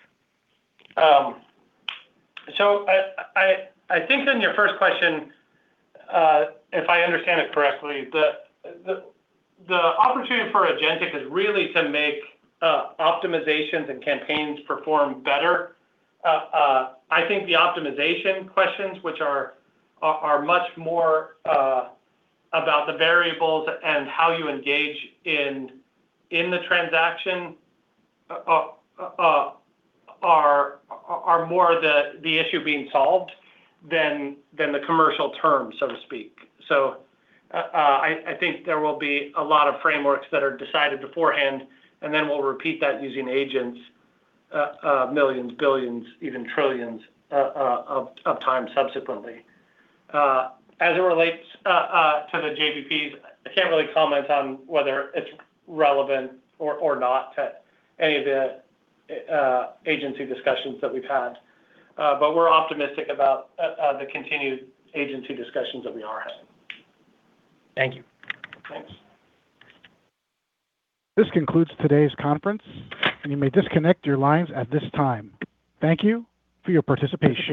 I think then your first question, if I understand it correctly, the opportunity for agentic is really to make optimizations and campaigns perform better. I think the optimization questions, which are much more about the variables and how you engage in the transaction, are more the issue being solved than the commercial terms, so to speak. I think there will be a lot of frameworks that are decided beforehand, and then we'll repeat that using agents, millions, billions, even trillions of times subsequently. As it relates to the JBPs, I can't really comment on whether it's relevant or not to any of the agency discussions that we've had. We're optimistic about the continued agency discussions that we are having. Thank you. Thanks. This concludes today's conference, and you may disconnect your lines at this time. Thank you for your participation